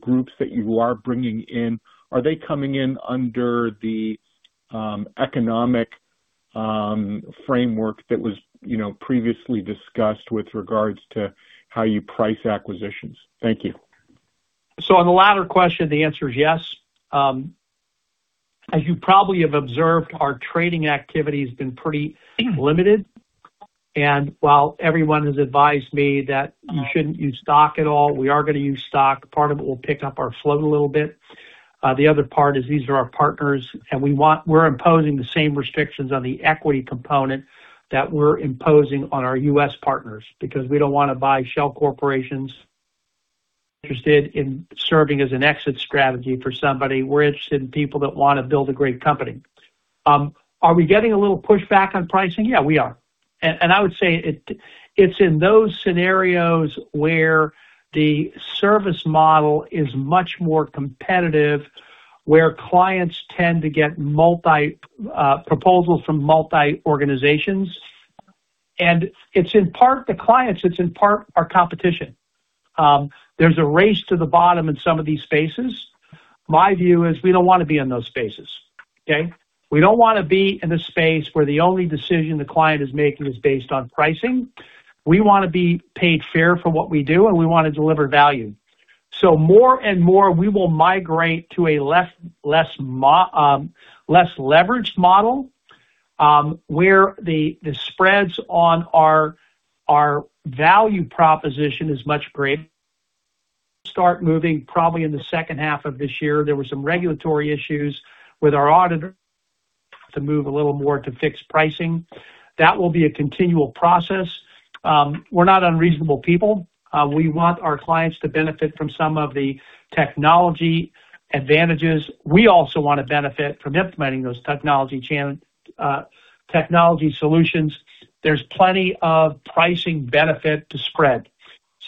Speaker 5: groups that you are bringing in, are they coming in under the economic framework that was, you know, previously discussed with regards to how you price acquisitions? Thank you.
Speaker 3: On the latter question, the answer is yes. As you probably have observed, our trading activity has been pretty limited. While everyone has advised me that you shouldn't use stock at all, we are gonna use stock. Part of it will pick up our float a little bit. The other part is these are our partners, we're imposing the same restrictions on the equity component that we're imposing on our U.S. partners because we don't wanna buy shell corporations interested in serving as an exit strategy for somebody. We're interested in people that wanna build a great company. Are we getting a little pushback on pricing? Yeah, we are. I would say it's in those scenarios where the service model is much more competitive, where clients tend to get multiple proposals from multiple organizations. It's in part the clients, it's in part our competition. There's a race to the bottom in some of these spaces. My view is we don't wanna be in those spaces, okay? We don't wanna be in a space where the only decision the client is making is based on pricing. We wanna be paid fair for what we do, and we wanna deliver value. More and more, we will migrate to a less leveraged model, where the spreads on our value proposition is much greater. Start moving probably in the second half of this year. There were some regulatory issues with our auditor to move a little more to fixed pricing. That will be a continual process. We're not unreasonable people. We want our clients to benefit from some of the technology advantages. We also wanna benefit from implementing those technology solutions. There's plenty of pricing benefit to spread.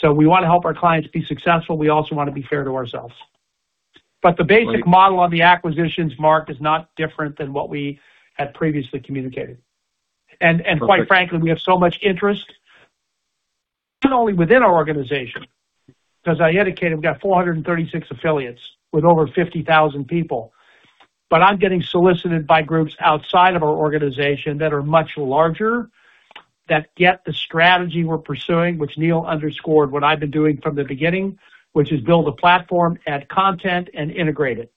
Speaker 3: We wanna help our clients be successful. We also wanna be fair to ourselves. The basic model on the acquisitions, Mark, is not different than what we had previously communicated. Quite frankly, we have so much interest not only within our organization, because as I indicated, we've got 436 affiliates with over 50,000 people. I'm getting solicited by groups outside of our organization that are much larger, that get the strategy we're pursuing, which Neal underscored what I've been doing from the beginning, which is build a platform, add content and integrate it.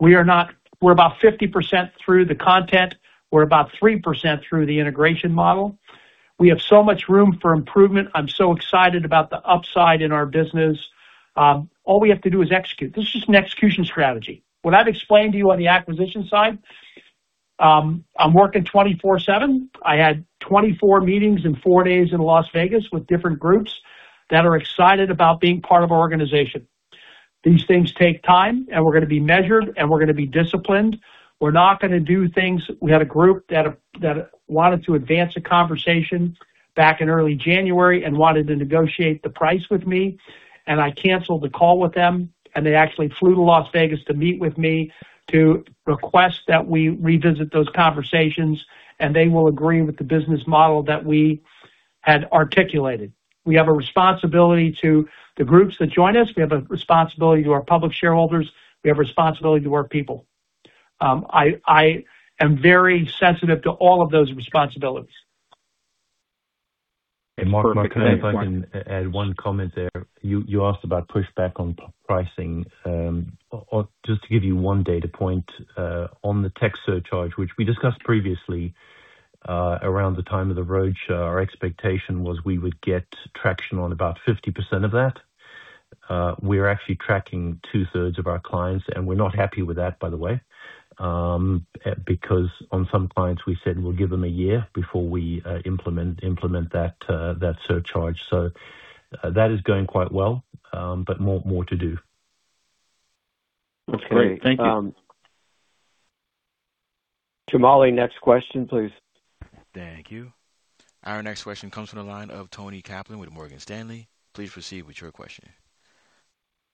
Speaker 3: We're about 50% through the content. We're about 3% through the integration model. We have so much room for improvement. I'm so excited about the upside in our business. All we have to do is execute. This is just an execution strategy. What I've explained to you on the acquisition side, I'm working 24/7. I had 24 meetings in four days in Las Vegas with different groups that are excited about being part of our organization. These things take time, and we're gonna be measured, and we're gonna be disciplined. We're not gonna do things. We had a group that wanted to advance a conversation back in early January and wanted to negotiate the price with me, and I canceled the call with them, and they actually flew to Las Vegas to meet with me to request that we revisit those conversations, and they will agree with the business model that we had articulated. We have a responsibility to the groups that join us. We have a responsibility to our public shareholders. We have a responsibility to our people. I am very sensitive to all of those responsibilities.
Speaker 4: Mark, can I add one comment there. You asked about pushback on pricing. Or just to give you one data point on the tech surcharge, which we discussed previously, around the time of the roadshow, our expectation was we would get traction on about 50% of that. We're actually tracking 2/3 of our clients, and we're not happy with that, by the way, because on some clients, we said we'll give them a year before we implement that surcharge. That is going quite well, but more to do.
Speaker 5: That's great. Thank you.
Speaker 2: Jamali, next question, please.
Speaker 1: Thank you. Our next question comes from the line of Toni Kaplan with Morgan Stanley. Please proceed with your question.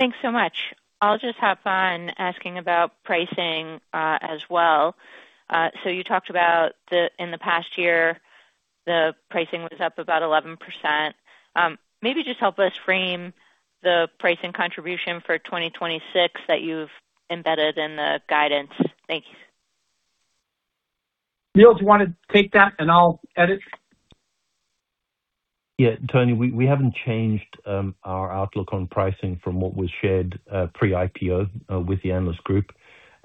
Speaker 6: Thanks so much. I'll just hop on asking about pricing, as well. You talked about the pricing in the past year. The pricing was up about 11%. Maybe just help us frame the pricing contribution for 2026 that you've embedded in the guidance. Thanks.
Speaker 3: Neal, do you want to take that and I'll edit?
Speaker 4: Yeah. Toni, we haven't changed our outlook on pricing from what was shared pre-IPO with the analyst group.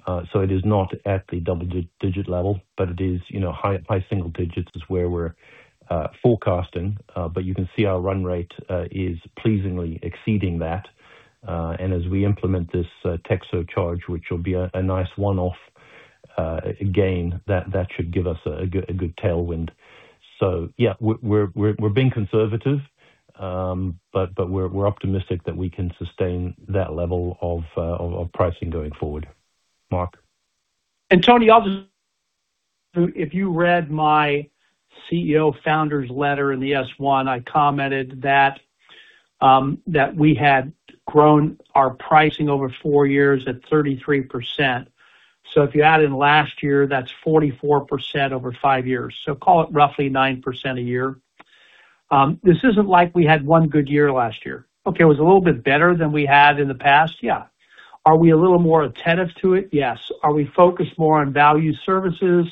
Speaker 4: It is not at the double-digit level, but it is, you know, high single digits is where we're forecasting. You can see our run rate is pleasingly exceeding that. As we implement this tax charge, which will be a nice one-off gain, that should give us a good tailwind. Yeah, we're being conservative, but we're optimistic that we can sustain that level of pricing going forward. Mark.
Speaker 3: Toni, obviously, if you read my CEO founder's letter in the S-1, I commented that we had grown our pricing over four years at 33%. If you add in last year, that's 44% over five years. Call it roughly 9% a year. This isn't like we had one good year last year. It was a little bit better than we had in the past, yeah. Are we a little more attentive to it? Yes. Are we focused more on value services?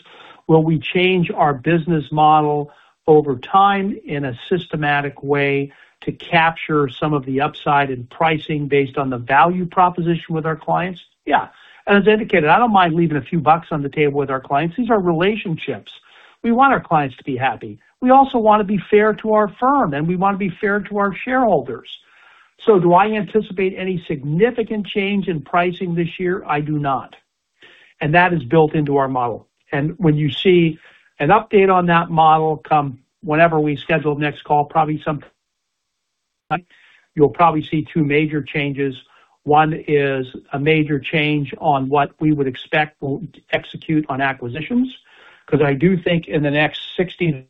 Speaker 3: Will we change our business model over time in a systematic way to capture some of the upside in pricing based on the value proposition with our clients? Yeah. As indicated, I don't mind leaving a few bucks on the table with our clients. These are relationships. We want our clients to be happy. We also wanna be fair to our firm, and we wanna be fair to our shareholders. Do I anticipate any significant change in pricing this year? I do not. That is built into our model. When you see an update on that model come whenever we schedule next call, probably you'll see two major changes. One is a major change on what we would expect we'll execute on acquisitions, 'cause I do think in the next 60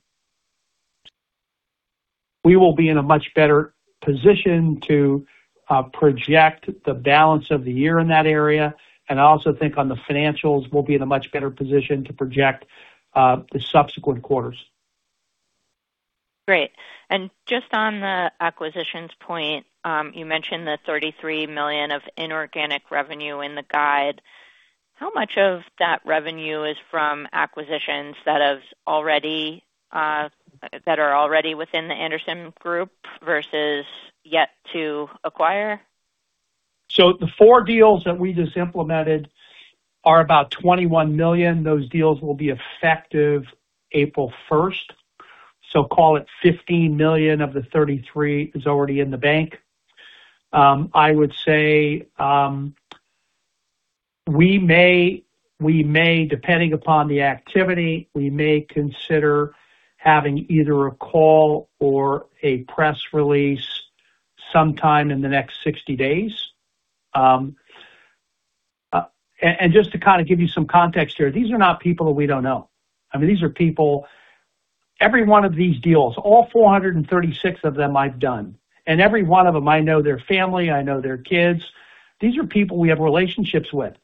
Speaker 3: we will be in a much better position to project the balance of the year in that area. I also think on the financials, we'll be in a much better position to project the subsequent quarters.
Speaker 6: Great. Just on the acquisitions point, you mentioned the $33 million of inorganic revenue in the guide. How much of that revenue is from acquisitions that are already within the Andersen Group versus yet to acquire?
Speaker 3: The four deals that we just implemented are about $21 million. Those deals will be effective April first. Call it $15 million of the $33 million is already in the bank. I would say we may, depending upon the activity, we may consider having either a call or a press release sometime in the next 60 days. Just to kind of give you some context here, these are not people that we don't know. I mean, these are people. Every one of these deals, all 436 of them I've done. And every one of them, I know their family, I know their kids. These are people we have relationships with.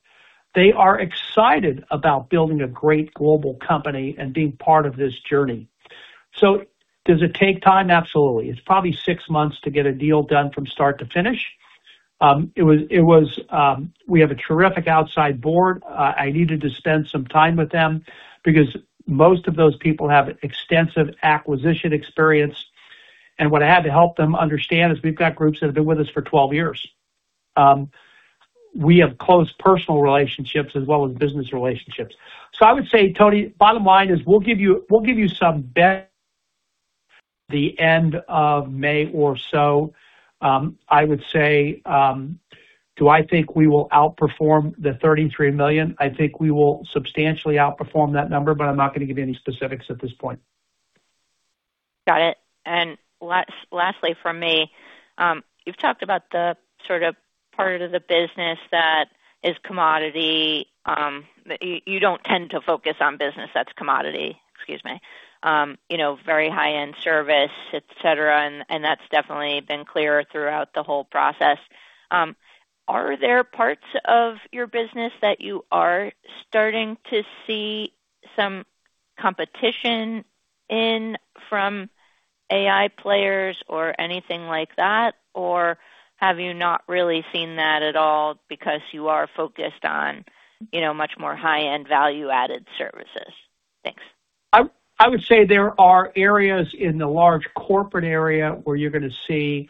Speaker 3: They are excited about building a great global company and being part of this journey. Does it take time? Absolutely. It's probably six months to get a deal done from start to finish. We have a terrific outside board. I needed to spend some time with them because most of those people have extensive acquisition experience. What I had to help them understand is we've got groups that have been with us for 12 years. We have close personal relationships as well as business relationships. I would say, Toni, bottom line is we'll give you some by the end of May or so. I would say, do I think we will outperform the $33 million? I think we will substantially outperform that number, but I'm not gonna give you any specifics at this point.
Speaker 6: Got it. Lastly from me, you've talked about the sort of part of the business that is commodity. You don't tend to focus on business that's commodity. Excuse me. You know, very high-end service, et cetera, and that's definitely been clear throughout the whole process. Are there parts of your business that you are starting to see some competition in from AI players or anything like that? Or have you not really seen that at all because you are focused on, you know, much more high-end value-added services? Thanks.
Speaker 3: I would say there are areas in the large corporate area where you're gonna see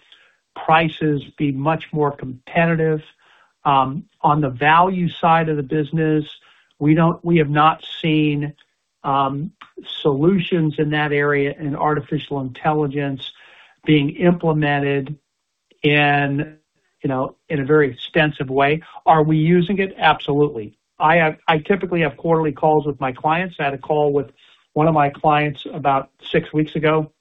Speaker 3: prices be much more competitive. On the value side of the business, we have not seen solutions in that area in artificial intelligence being implemented in, you know, in a very extensive way. Are we using it? Absolutely. I typically have quarterly calls with my clients. I had a call with one of my clients about six weeks ago.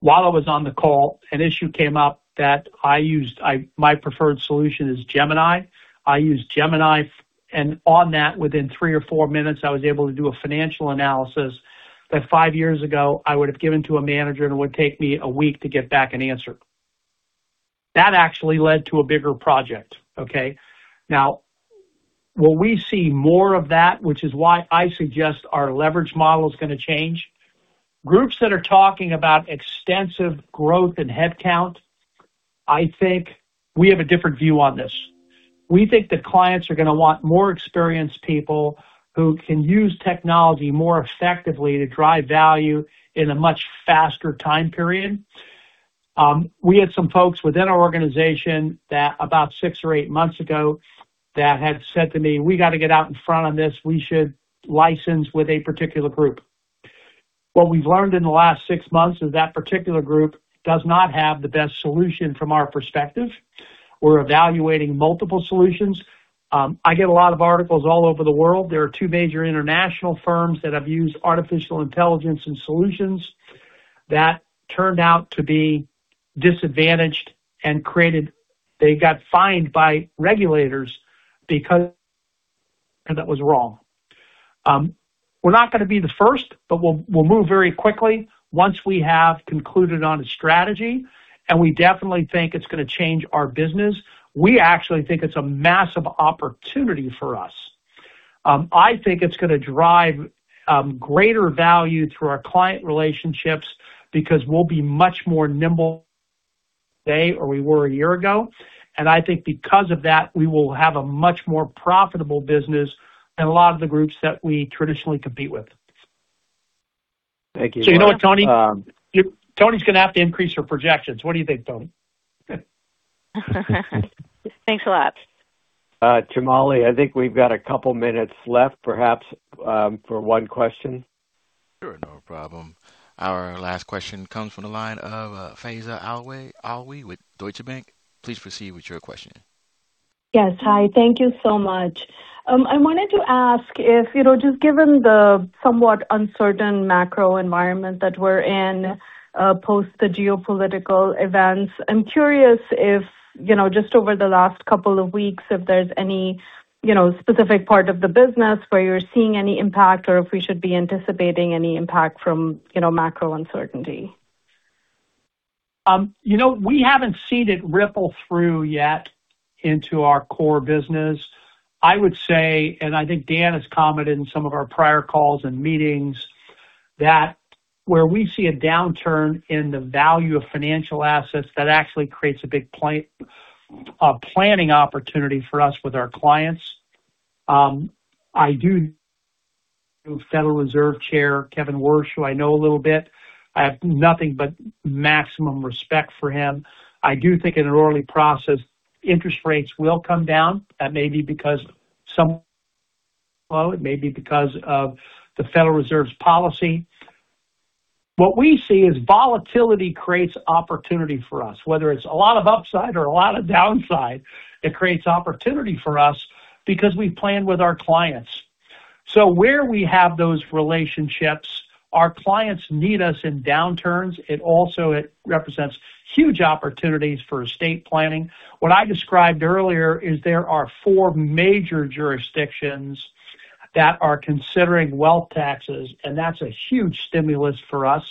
Speaker 3: While I was on the call, an issue came up. My preferred solution is Gemini. I used Gemini, and on that, within three or four minutes, I was able to do a financial analysis that five years ago I would have given to a manager, and it would take me a week to get back an answer. That actually led to a bigger project, okay. Now will we see more of that? Which is why I suggest our leverage model is gonna change. Groups that are talking about extensive growth in headcount, I think we have a different view on this. We think that clients are gonna want more experienced people who can use technology more effectively to drive value in a much faster time period. We had some folks within our organization that about six or eight months ago that had said to me, "We got to get out in front of this. We should license with a particular group." What we've learned in the last six months is that particular group does not have the best solution from our perspective. We're evaluating multiple solutions. I get a lot of articles all over the world. There are two major international firms that have used artificial intelligence and solutions that turned out to be disadvantaged and created. They got fined by regulators because that was wrong. We're not gonna be the first, but we'll move very quickly once we have concluded on a strategy, and we definitely think it's gonna change our business. We actually think it's a massive opportunity for us. I think it's gonna drive greater value through our client relationships because we'll be much more nimble than we were today or we were a year ago. I think because of that, we will have a much more profitable business than a lot of the groups that we traditionally compete with.
Speaker 2: Thank you.
Speaker 3: You know what, Toni? Toni's gonna have to increase your projections. What do you think, Toni?
Speaker 6: Thanks a lot.
Speaker 2: Jamali, I think we've got a couple minutes left, perhaps, for one question.
Speaker 1: Sure. No problem. Our last question comes from the line of Faiza Alwy with Deutsche Bank. Please proceed with your question.
Speaker 7: Yes. Hi. Thank you so much. I wanted to ask if, you know, just given the somewhat uncertain macro environment that we're in, post the geopolitical events, I'm curious if, you know, just over the last couple of weeks, if there's any, you know, specific part of the business where you're seeing any impact or if we should be anticipating any impact from, you know, macro uncertainty.
Speaker 3: You know, we haven't seen it ripple through yet into our core business. I would say, and I think Dan has commented in some of our prior calls and meetings, that where we see a downturn in the value of financial assets, that actually creates a big planning opportunity for us with our clients. I do know Federal Reserve Chair Kevin Warsh, who I know a little bit. I have nothing but maximum respect for him. I do think in an orderly process, interest rates will come down. Well, it may be because of the Federal Reserve's policy. What we see is volatility creates opportunity for us. Whether it's a lot of upside or a lot of downside, it creates opportunity for us because we plan with our clients. Where we have those relationships, our clients need us in downturns. It represents huge opportunities for estate planning. What I described earlier is there are four major jurisdictions that are considering wealth taxes, and that's a huge stimulus for us.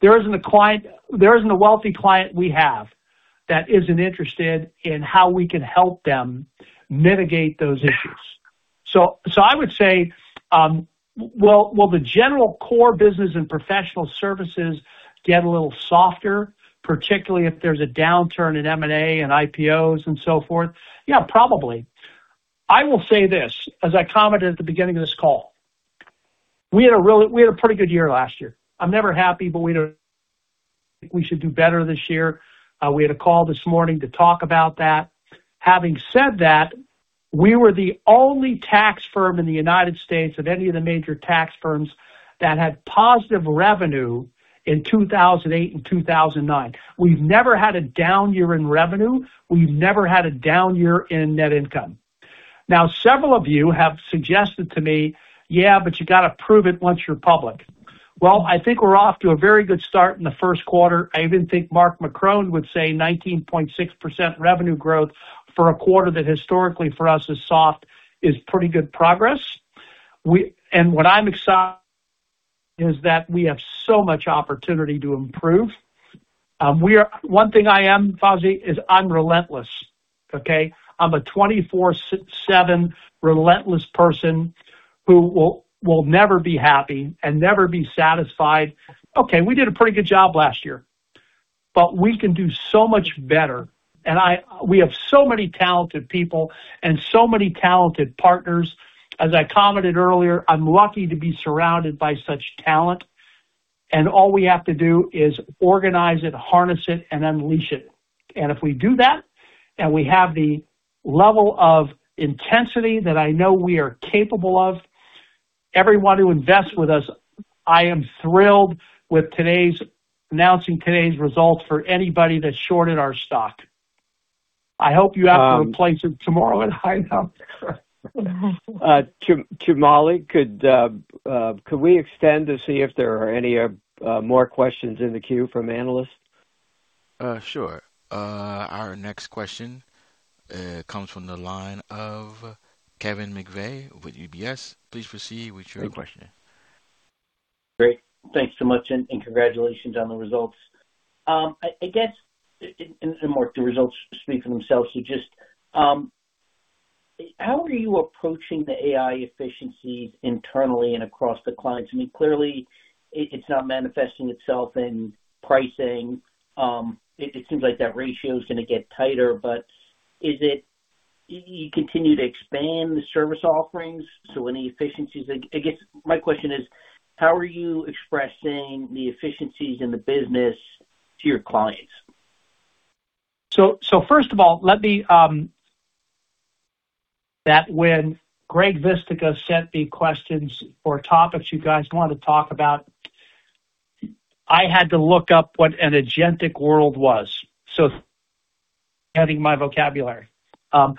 Speaker 3: There isn't a wealthy client we have that isn't interested in how we can help them mitigate those issues. So I would say, will the general core business and professional services get a little softer, particularly if there's a downturn in M&A and IPOs and so forth? Yeah, probably. I will say this, as I commented at the beginning of this call. We had a pretty good year last year. I'm never happy. We should do better this year. We had a call this morning to talk about that. Having said that, we were the only tax firm in the United States of any of the major tax firms that had positive revenue in 2008 and 2009. We've never had a down year in revenue. We've never had a down year in net income. Now, several of you have suggested to me, "Yeah, but you gotta prove it once you're public." Well, I think we're off to a very good start in the first quarter. I even think Mark Marcon would say 19.6% revenue growth for a quarter that historically for us is soft is pretty good progress. What I'm excited is that we have so much opportunity to improve. One thing I am, Faiza, is I'm relentless, okay? I'm a 24/7 relentless person who will never be happy and never be satisfied. Okay, we did a pretty good job last year, but we can do so much better. We have so many talented people and so many talented partners. As I commented earlier, I'm lucky to be surrounded by such talent, and all we have to do is organize it, harness it, and unleash it. If we do that, and we have the level of intensity that I know we are capable of, everyone who invests with us, I am thrilled with announcing today's results for anybody that shorted our stock. I hope you have to replace it tomorrow at a high note.
Speaker 2: Jamali, could we extend to see if there are any more questions in the queue from analysts?
Speaker 1: Sure. Our next question comes from the line of Kevin McVeigh with UBS. Please proceed with your question.
Speaker 8: Great. Thanks so much and congratulations on the results. I guess, Mark, the results speak for themselves. Just how are you approaching the AI efficiency internally and across the clients? I mean, clearly it's not manifesting itself in pricing. It seems like that ratio is gonna get tighter, but you continue to expand the service offerings, so any efficiencies. I guess my question is: How are you expressing the efficiencies in the business to your clients?
Speaker 3: First of all, when Greg Vistica sent the questions or topics you guys wanna talk about, I had to look up what an agentic world was. Adding my vocabulary. I'm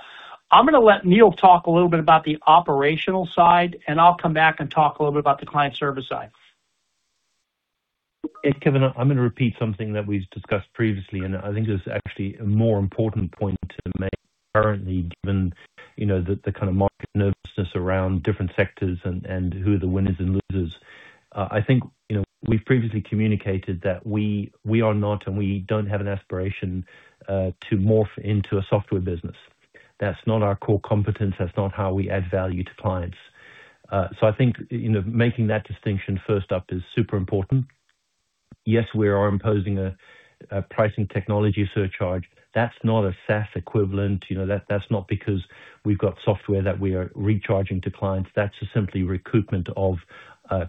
Speaker 3: gonna let Neal talk a little bit about the operational side, and I'll come back and talk a little bit about the client service side.
Speaker 4: Hey, Kevin. I'm gonna repeat something that we've discussed previously, and I think there's actually a more important point to make currently given, you know, the kind of market nervousness around different sectors and who are the winners and losers. I think, you know, we've previously communicated that we are not and we don't have an aspiration to morph into a software business. That's not our core competence. That's not how we add value to clients. So I think, you know, making that distinction first up is super important. Yes, we are imposing a pricing technology surcharge. That's not a SaaS equivalent. You know, that's not because we've got software that we are recharging to clients. That's simply recoupment of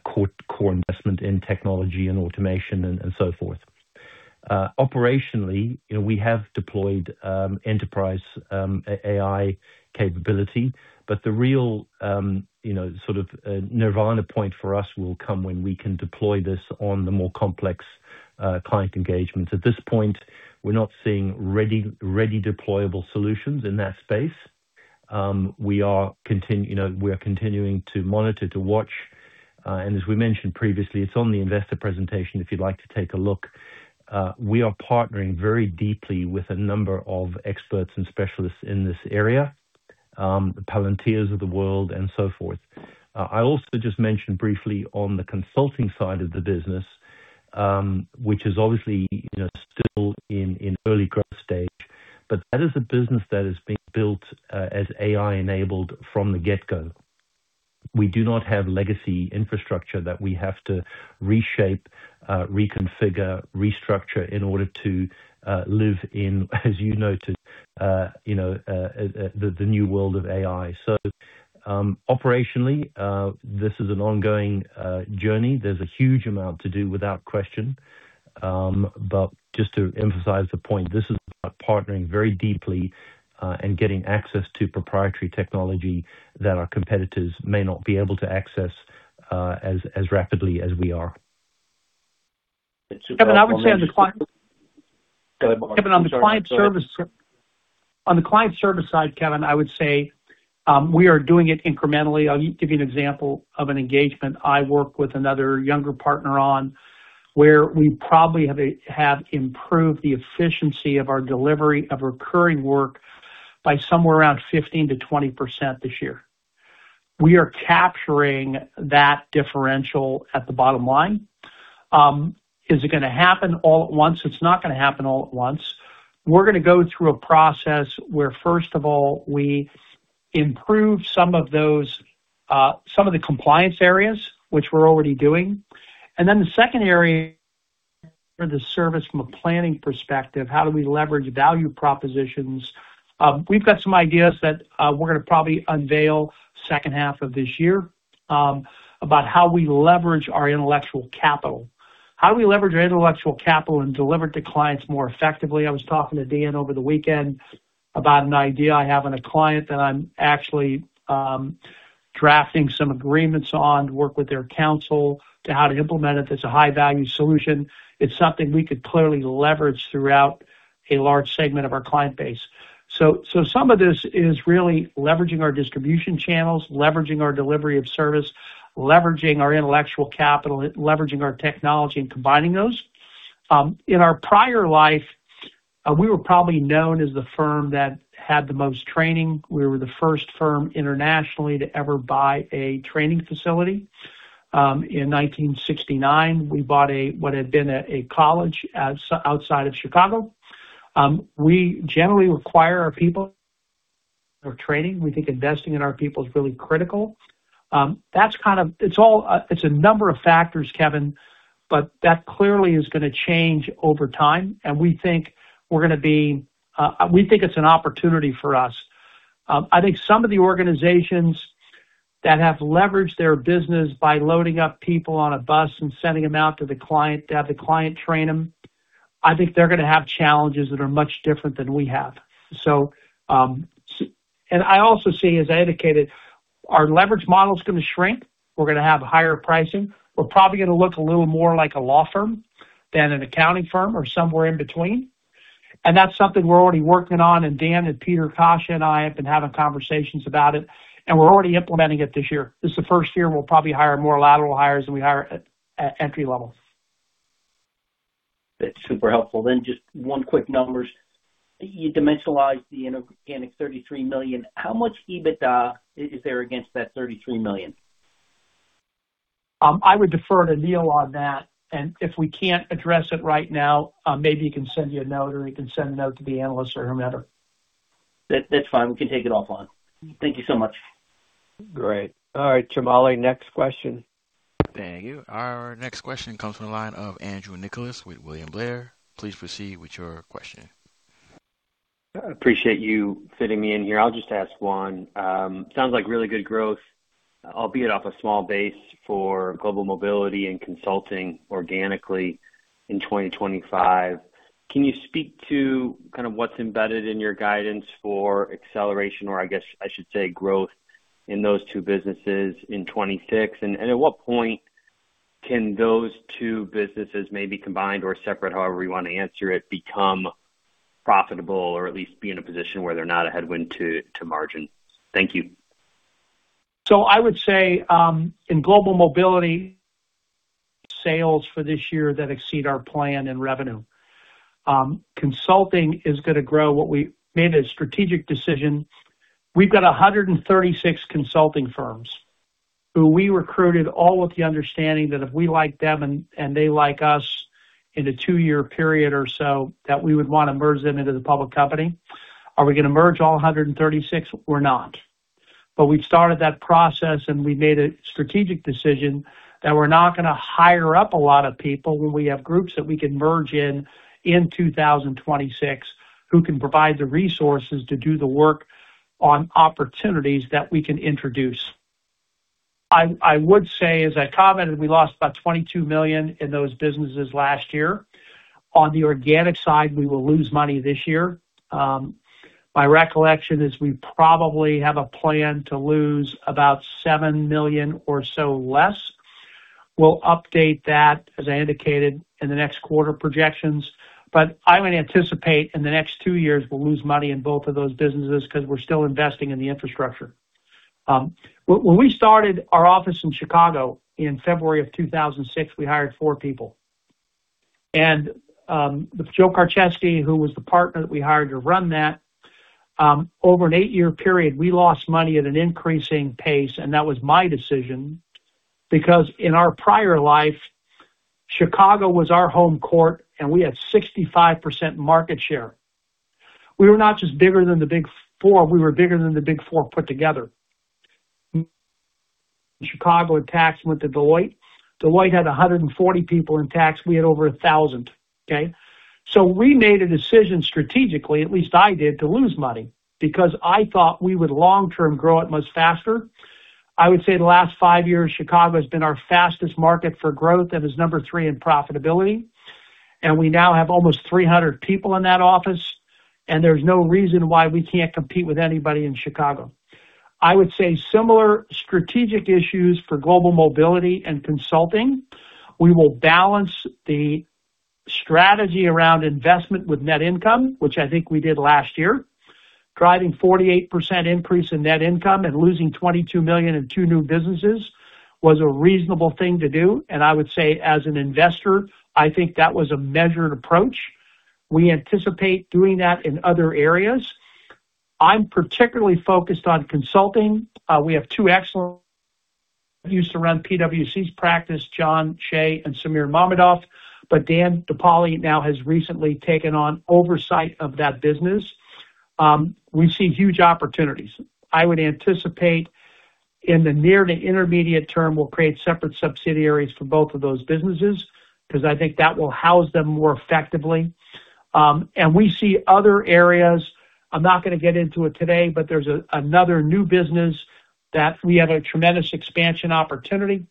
Speaker 4: core investment in technology and automation and so forth. Operationally, you know, we have deployed enterprise AI capability, but the real, you know, sort of nirvana point for us will come when we can deploy this on the more complex client engagements. At this point, we're not seeing ready deployable solutions in that space. You know, we are continuing to monitor, to watch, and as we mentioned previously, it's on the investor presentation, if you'd like to take a look. We are partnering very deeply with a number of experts and specialists in this area, the Palantir of the world and so forth. I also just mentioned briefly on the consulting side of the business, which is obviously, you know, still in early growth stage, but that is a business that is being built as AI-enabled from the get-go. We do not have legacy infrastructure that we have to reshape, reconfigure, restructure in order to live in, as you noted, you know, the new world of AI. Operationally, this is an ongoing journey. There's a huge amount to do without question. Just to emphasize the point, this is about partnering very deeply, and getting access to proprietary technology that our competitors may not be able to access, as rapidly as we are.
Speaker 3: Kevin, I would say on the client-
Speaker 8: Go ahead, Mark. I'm sorry.
Speaker 3: Kevin, on the client service, on the client service side, Kevin, I would say, we are doing it incrementally. I'll give you an example of an engagement I worked with another younger partner on, where we probably have improved the efficiency of our delivery of recurring work by somewhere around 15%-20% this year. We are capturing that differential at the bottom line. Is it gonna happen all at once? It's not gonna happen all at once. We're gonna go through a process where, first of all, we improve some of those, some of the compliance areas, which we're already doing. Then the second area, the service from a planning perspective, how do we leverage value propositions? We've got some ideas that, we're gonna probably unveil second half of this year, about how we leverage our intellectual capital. How do we leverage our intellectual capital and deliver it to clients more effectively? I was talking to Dan over the weekend about an idea I have on a client that I'm actually drafting some agreements on to work with their counsel to how to implement it. That's a high-value solution. It's something we could clearly leverage throughout a large segment of our client base. Some of this is really leveraging our distribution channels, leveraging our delivery of service, leveraging our intellectual capital, leveraging our technology, and combining those. In our prior life, we were probably known as the firm that had the most training. We were the first firm internationally to ever buy a training facility. In 1969, we bought what had been a college outside of Chicago. We generally require our people of training. We think investing in our people is really critical. It's all, it's a number of factors, Kevin, but that clearly is gonna change over time, and we think we're gonna be, we think it's an opportunity for us. I think some of the organizations that have leveraged their business by loading up people on a bus and sending them out to the client to have the client train them, I think they're gonna have challenges that are much different than we have. And I also see, as I indicated, our leverage model is gonna shrink. We're gonna have higher pricing. We're probably gonna look a little more like a law firm than an accounting firm or somewhere in between. That's something we're already working on, and Dan and Peter Coscia and I have been having conversations about it, and we're already implementing it this year. This is the first year we'll probably hire more lateral hires than we hire at entry-level.
Speaker 8: That's super helpful. Just one quick number. You dimensionalize the inorganic $33 million. How much EBITDA is there against that $33 million?
Speaker 3: I would defer to Neal on that. If we can't address it right now, maybe he can send you a note or he can send a note to the analysts or whomever.
Speaker 8: That's fine. We can take it offline. Thank you so much.
Speaker 2: Great. All right, Jamali, next question.
Speaker 1: Thank you. Our next question comes from the line of Andrew Nicholas with William Blair. Please proceed with your question.
Speaker 9: Appreciate you fitting me in here. I'll just ask one. Sounds like really good growth, albeit off a small base for Global Mobility and consulting organically in 2025. Can you speak to kind of what's embedded in your guidance for acceleration or I guess I should say growth in those two businesses in 2026? And at what point can those two businesses may be combined or separate, however you want to answer it, become profitable or at least be in a position where they're not a headwind to margin? Thank you. I would say, in Global Mobility, sales for this year that exceed our plan and revenue. Consulting is gonna grow. What we made a strategic decision.
Speaker 3: We've got 136 consulting firms who we recruited all with the understanding that if we like them and they like us in a two-year period or so, that we would wanna merge them into the public company. Are we gonna merge all 136? We're not. We've started that process, and we made a strategic decision that we're not gonna hire up a lot of people when we have groups that we can merge in in 2026 who can provide the resources to do the work on opportunities that we can introduce. I would say, as I commented, we lost about $22 million in those businesses last year. On the organic side, we will lose money this year. My recollection is we probably have a plan to lose about $7 million or so less. We'll update that, as I indicated, in the next quarter projections. I would anticipate in the next two years we'll lose money in both of those businesses 'cause we're still investing in the infrastructure. When we started our office in Chicago in February 2006, we hired four people. Joe Karczewski, who was the partner that we hired to run that, over an eight-year period, we lost money at an increasing pace, and that was my decision. Because in our prior life, Chicago was our home court, and we had 65% market share. We were not just bigger than the Big Four, we were bigger than the Big Four put together. Chicago in tax went to Deloitte. Deloitte had 140 people in tax. We had over 1,000. Okay? We made a decision strategically, at least I did, to lose money because I thought we would long-term grow it much faster. I would say the last five years, Chicago has been our fastest market for growth and is number three in profitability. We now have almost 300 people in that office, and there's no reason why we can't compete with anybody in Chicago. I would say similar strategic issues for Global Mobility and Consulting. We will balance the strategy around investment with net income, which I think we did last year. Driving 48% increase in net income and losing $22 million in two new businesses was a reasonable thing to do. I would say as an investor, I think that was a measured approach. We anticipate doing that in other areas. I'm particularly focused on Consulting. We have two excellent. Used to run PwC's practice, John Shea and Samir Mammadov, but Dan DePaoli now has recently taken on oversight of that business. We see huge opportunities. I would anticipate in the near to intermediate term, we'll create separate subsidiaries for both of those businesses 'cause I think that will house them more effectively. We see other areas. I'm not gonna get into it today, but there's another new business that we have a tremendous expansion opportunity,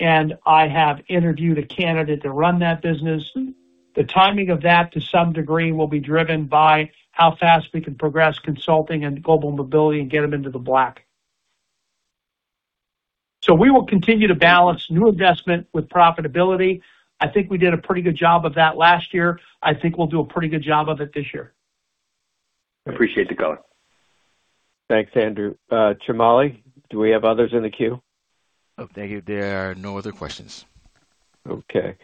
Speaker 3: and I have interviewed a candidate to run that business. The timing of that, to some degree, will be driven by how fast we can progress Consulting and Global Mobility and get them into the black. We will continue to balance new investment with profitability. I think we did a pretty good job of that last year. I think we'll do a pretty good job of it this year.
Speaker 9: Appreciate the color.
Speaker 2: Thanks, Andrew. Jamali, do we have others in the queue?
Speaker 1: Oh, thank you. There are no other questions.
Speaker 2: Okay.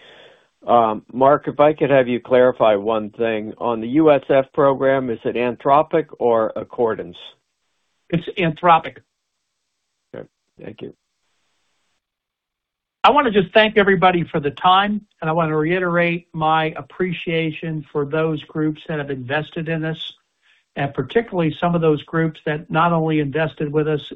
Speaker 2: Mark, if I could have you clarify one thing. On the USF program, is it Anthropic or Accordance?
Speaker 3: It's Anthropic.
Speaker 2: Okay. Thank you.
Speaker 3: I wanna just thank everybody for the time, and I wanna reiterate my appreciation for those groups that have invested in us, and particularly some of those groups that not only invested with us,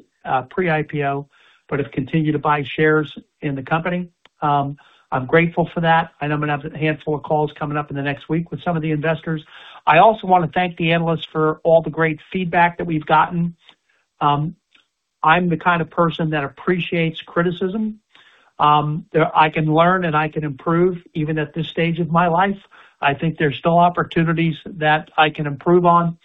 Speaker 3: pre-IPO, but have continued to buy shares in the company. I'm grateful for that. I know I'm gonna have a handful of calls coming up in the next week with some of the investors. I also wanna thank the analysts for all the great feedback that we've gotten. I'm the kind of person that appreciates criticism, that I can learn and I can improve even at this stage of my life. I think there's still opportunities that I can improve on.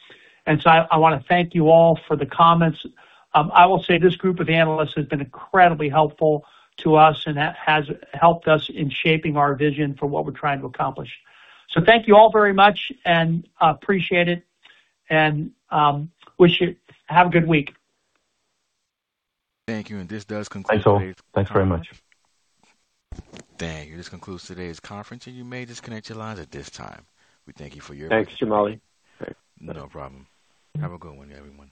Speaker 3: I wanna thank you all for the comments. I will say this group of analysts has been incredibly helpful to us and has helped us in shaping our vision for what we're trying to accomplish. Thank you all very much and appreciate it and wish you have a good week.
Speaker 1: Thank you. This does conclude.
Speaker 2: Thanks very much.
Speaker 1: Thank you. This concludes today's conference, and you may disconnect your lines at this time. We thank you for your.
Speaker 2: Thanks, Jamali.
Speaker 1: No problem. Have a good one, everyone.